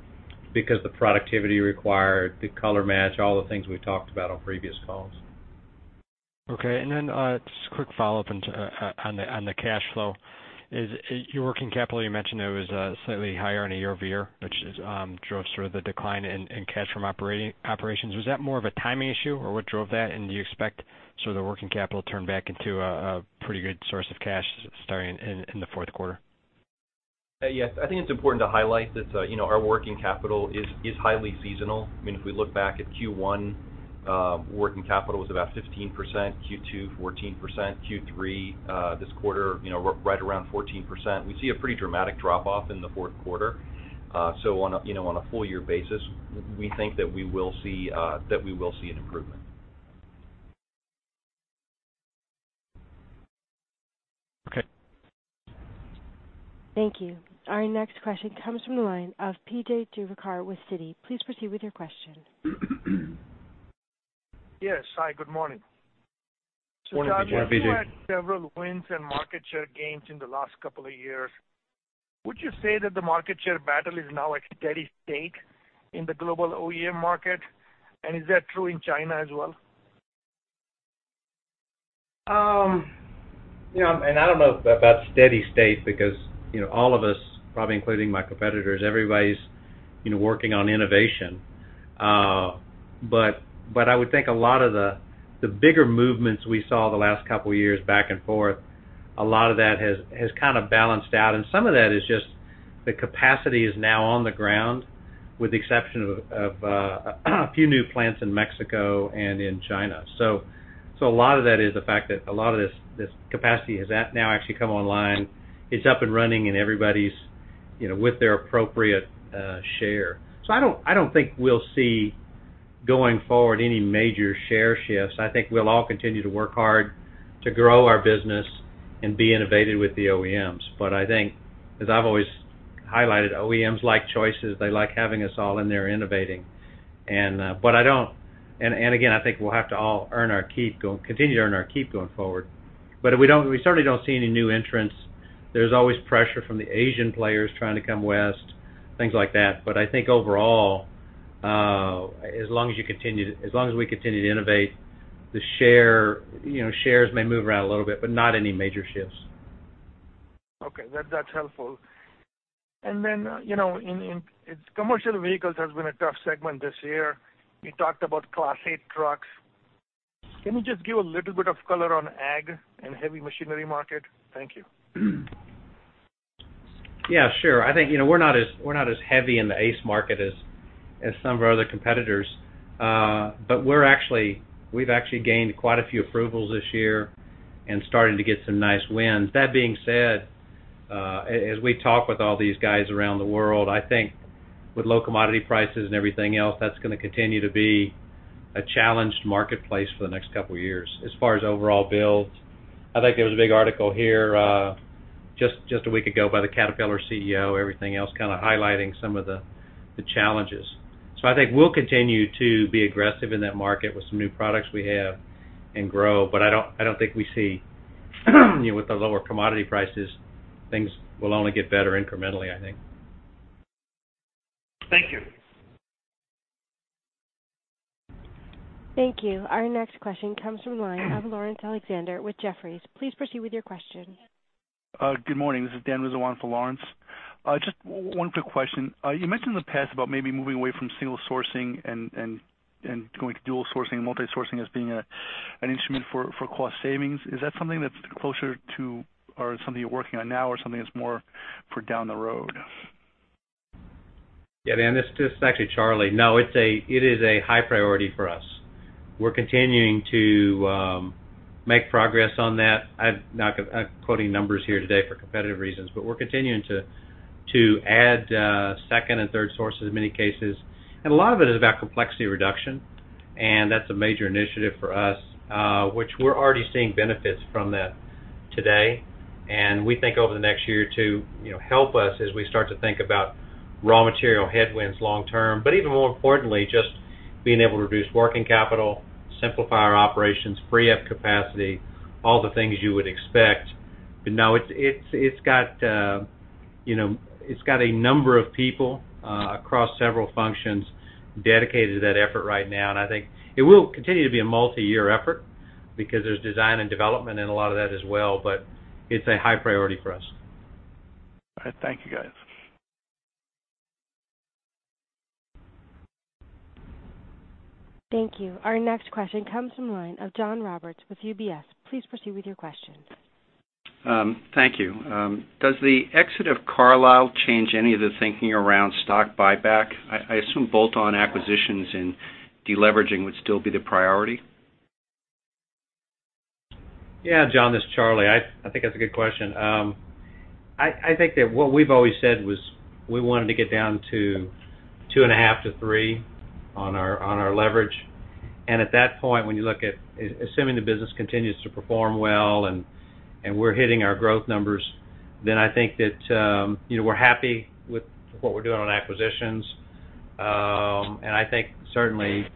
because the productivity required, the color match, all the things we've talked about on previous calls. Okay. Just a quick follow-up on the cash flow. Your working capital, you mentioned it was slightly higher on a year-over-year, which drove sort of the decline in cash from operations. Was that more of a timing issue, or what drove that? Do you expect sort of the working capital turn back into a pretty good source of cash starting in the fourth quarter? Yes. I think it's important to highlight that our working capital is highly seasonal. I mean, if we look back at Q1, working capital was about 15%, Q2, 14%, Q3, this quarter, right around 14%. We see a pretty dramatic drop-off in the fourth quarter. On a full year basis, we think that we will see an improvement. Okay. Thank you. Our next question comes from the line of PJ Juvekar with Citi. Please proceed with your question. Yes. Hi, good morning. Morning, PJ. Charlie, you had several wins and market share gains in the last couple of years. Would you say that the market share battle is now at steady state in the global OEM market? And is that true in China as well? I don't know about steady state because, all of us probably including my competitors, everybody's working on innovation. I would think a lot of the bigger movements we saw the last couple of years back and forth, a lot of that has kind of balanced out. Some of that is just the capacity is now on the ground, with the exception of a few new plants in Mexico and in China. A lot of that is the fact that a lot of this capacity has now actually come online. It's up and running and everybody's with their appropriate share. I don't think we'll see going forward any major share shifts. I think we'll all continue to work hard to grow our business and be innovative with the OEMs. I think, as I've always highlighted, OEMs like choices. They like having us all in there innovating. Again, I think we'll have to all continue to earn our keep going forward. We certainly don't see any new entrants. There's always pressure from the Asian players trying to come west, things like that. I think overall, as long as we continue to innovate, the shares may move around a little bit, but not any major shifts. Okay. That's helpful. Then, commercial vehicles has been a tough segment this year. You talked about Class 8 trucks. Can you just give a little bit of color on ag and heavy machinery market? Thank you. Yeah, sure. I think we're not as heavy in the ACE market as some of our other competitors. We've actually gained quite a few approvals this year and starting to get some nice wins. That being said, as we talk with all these guys around the world, I think with low commodity prices and everything else, that's going to continue to be a challenged marketplace for the next 2 years. As far as overall builds, I think there was a big article here, just a week ago by the Caterpillar CEO, everything else kind of highlighting some of the challenges. I think we'll continue to be aggressive in that market with some new products we have and grow. I don't think we see with the lower commodity prices, things will only get better incrementally, I think. Thank you. Thank you. Our next question comes from the line of Laurence Alexander with Jefferies. Please proceed with your question. Good morning. This is Dan Wizowaty for Laurence. Just one quick question. You mentioned in the past about maybe moving away from single sourcing and going to dual sourcing and multi-sourcing as being an instrument for cost savings. Is that something that's closer to or something you're working on now or something that's more for down the road? Yeah, Dan, this is actually Charlie. No, it is a high priority for us. We're continuing to make progress on that. I'm not quoting numbers here today for competitive reasons, but we're continuing to add second and third sources in many cases. A lot of it is about complexity reduction, and that's a major initiative for us, which we're already seeing benefits from that. Today, and we think over the next year or two, help us as we start to think about raw material headwinds long term, but even more importantly, just being able to reduce working capital, simplify our operations, free up capacity, all the things you would expect. No, it's got a number of people across several functions dedicated to that effort right now, and I think it will continue to be a multi-year effort because there's design and development in a lot of that as well. It's a high priority for us. All right. Thank you, guys. Thank you. Our next question comes from the line of John Roberts with UBS. Please proceed with your question. Thank you. Does the exit of Carlyle change any of the thinking around stock buyback? I assume bolt-on acquisitions and deleveraging would still be the priority. John, this is Charlie. I think that's a good question. I think that what we've always said was we wanted to get down to two and a half to three on our leverage. At that point, when you look at assuming the business continues to perform well and we're hitting our growth numbers, I think that we're happy with what we're doing on acquisitions. I think certainly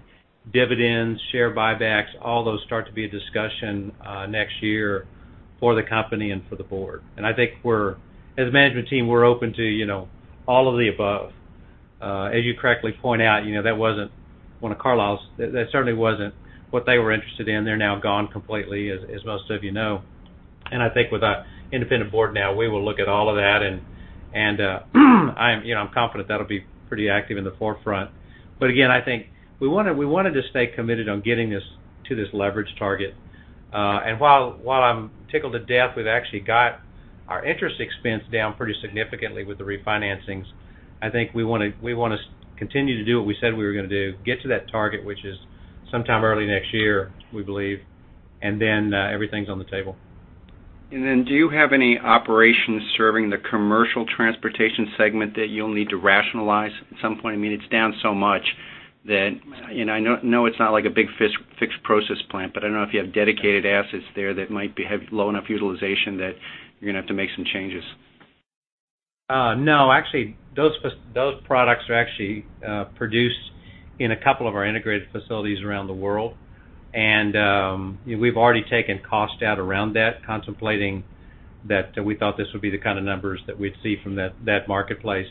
dividends, share buybacks, all those start to be a discussion next year for the company and for the board. I think as a management team, we're open to all of the above. As you correctly point out, that wasn't one of Carlyle's. That certainly wasn't what they were interested in. They're now gone completely, as most of you know. With our independent board now, we will look at all of that and I'm confident that'll be pretty active in the forefront. Again, I think we wanted to stay committed on getting this to this leverage target. While I'm tickled to death we've actually got our interest expense down pretty significantly with the refinancings, I think we want to continue to do what we said we were going to do, get to that target, which is sometime early next year, we believe, everything's on the table. Do you have any operations serving the commercial transportation segment that you'll need to rationalize at some point? It's down so much that, I know it's not like a big fixed process plant, I don't know if you have dedicated assets there that might have low enough utilization that you're going to have to make some changes. No, actually, those products are actually produced in a couple of our integrated facilities around the world. We've already taken cost out around that, contemplating that we thought this would be the kind of numbers that we'd see from that marketplace.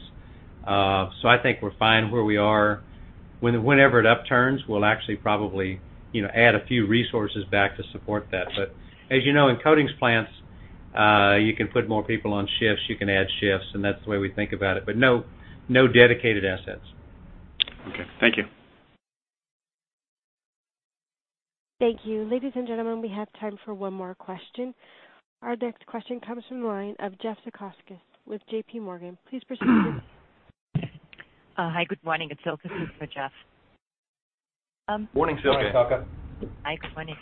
I think we're fine where we are. Whenever it upturns, we'll actually probably add a few resources back to support that. As you know, in coatings plants, you can put more people on shifts, you can add shifts, that's the way we think about it. No dedicated assets. Okay. Thank you. Thank you. Ladies and gentlemen, we have time for one more question. Our next question comes from the line of Jeff Zekauskas with JPMorgan. Please proceed with your question. Hi. Good morning. It's Silke, standing in for Jeff. Morning, Silke. Morning, Silke. Hi. Good morning.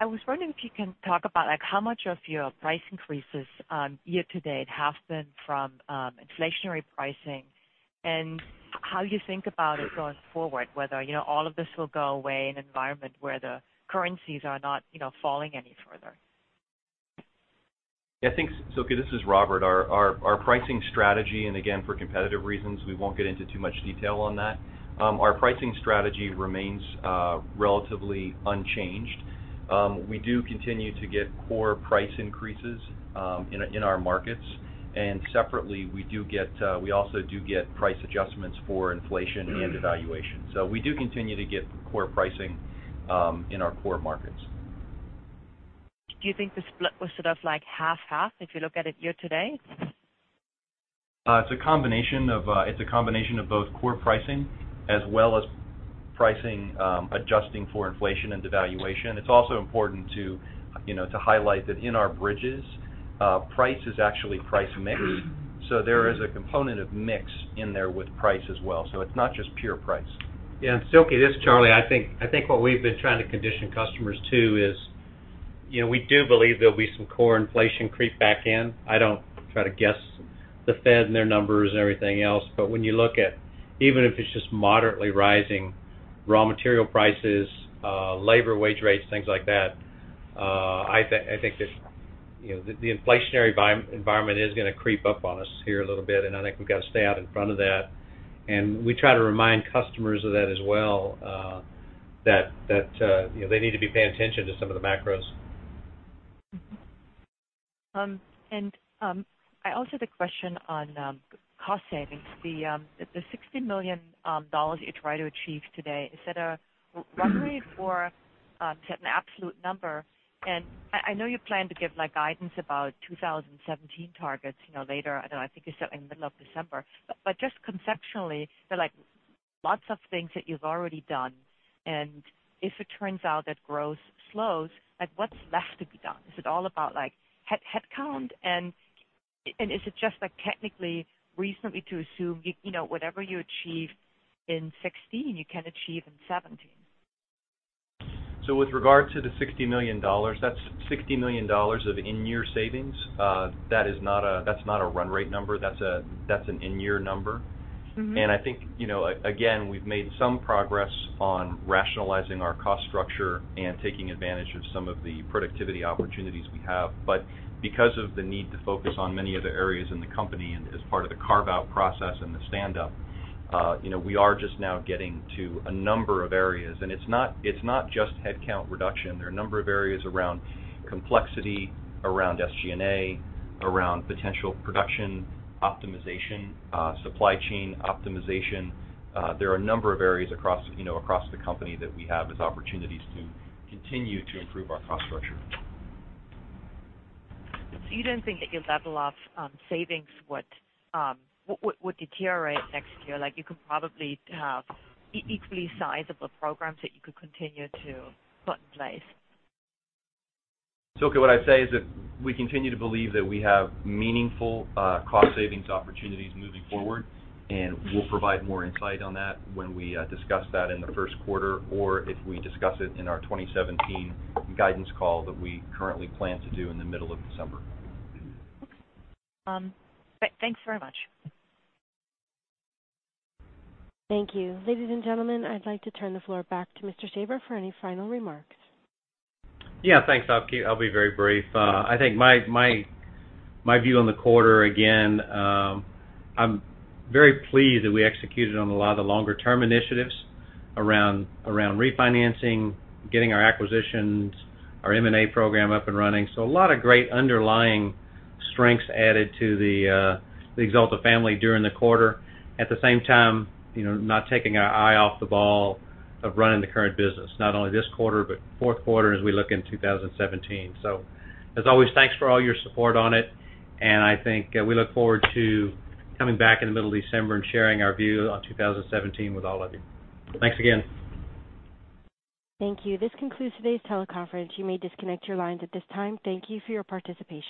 I was wondering if you can talk about how much of your price increases year-to-date have been from inflationary pricing and how you think about it going forward, whether all of this will go away in an environment where the currencies are not falling any further. Yeah, I think, Silke, this is Robert. Our pricing strategy, and again, for competitive reasons, we won't get into too much detail on that. Our pricing strategy remains relatively unchanged. We do continue to get core price increases in our markets. Separately, we also do get price adjustments for inflation and devaluation. We do continue to get core pricing in our core markets. Do you think the split was sort of like half-half if you look at it year-to-date? It's a combination of both core pricing as well as pricing adjusting for inflation and devaluation. It's also important to highlight that in our bridges, price is actually price mix. There is a component of mix in there with price as well. It's not just pure price. Silke, this is Charlie. I think what we've been trying to condition customers too is we do believe there'll be some core inflation creep back in. I don't try to guess the Fed and their numbers and everything else, but when you look at, even if it's just moderately rising, raw material prices, labor wage rates, things like that, I think that the inflationary environment is going to creep up on us here a little bit, and I think we've got to stay out in front of that. We try to remind customers of that as well, that they need to be paying attention to some of the macros. I also had a question on cost savings. The $60 million you try to achieve today, is that a run rate or set in absolute number? I know you plan to give guidance about 2017 targets later, I think you said in the middle of December. Just conceptually, there are lots of things that you've already done, and if it turns out that growth slows, what's left to be done? Is it all about headcount? Is it just technically reasonable to assume whatever you achieve in 2016, you can achieve in 2017? With regard to the $60 million, that's $60 million of in-year savings. That's not a run rate number. That's an in-year number. we've made some progress on rationalizing our cost structure and taking advantage of some of the productivity opportunities we have. Because of the need to focus on many other areas in the company and as part of the carve-out process and the stand-up, we are just now getting to a number of areas. It's not just headcount reduction. There are a number of areas around complexity, around SG&A, around potential production optimization, supply chain optimization. There are a number of areas across the company that we have as opportunities to continue to improve our cost structure. you don't think that your level of savings would deteriorate next year? Like, you could probably have equally sizable programs that you could continue to put in place. Silke, what I'd say is that we continue to believe that we have meaningful cost savings opportunities moving forward, and we'll provide more insight on that when we discuss that in the first quarter or if we discuss it in our 2017 guidance call that we currently plan to do in the middle of December. Okay. Thanks very much. Thank you. Ladies and gentlemen, I'd like to turn the floor back to Mr. Shaver for any final remarks. Yeah. Thanks. I'll be very brief. I think my view on the quarter, again, I'm very pleased that we executed on a lot of the longer-term initiatives around refinancing, getting our acquisitions, our M&A program up and running. A lot of great underlying strengths added to the Axalta family during the quarter. At the same time, not taking our eye off the ball of running the current business, not only this quarter, but fourth quarter as we look into 2017. As always, thanks for all your support on it, and I think we look forward to coming back in the middle of December and sharing our view on 2017 with all of you. Thanks again. Thank you. This concludes today's teleconference. You may disconnect your lines at this time. Thank you for your participation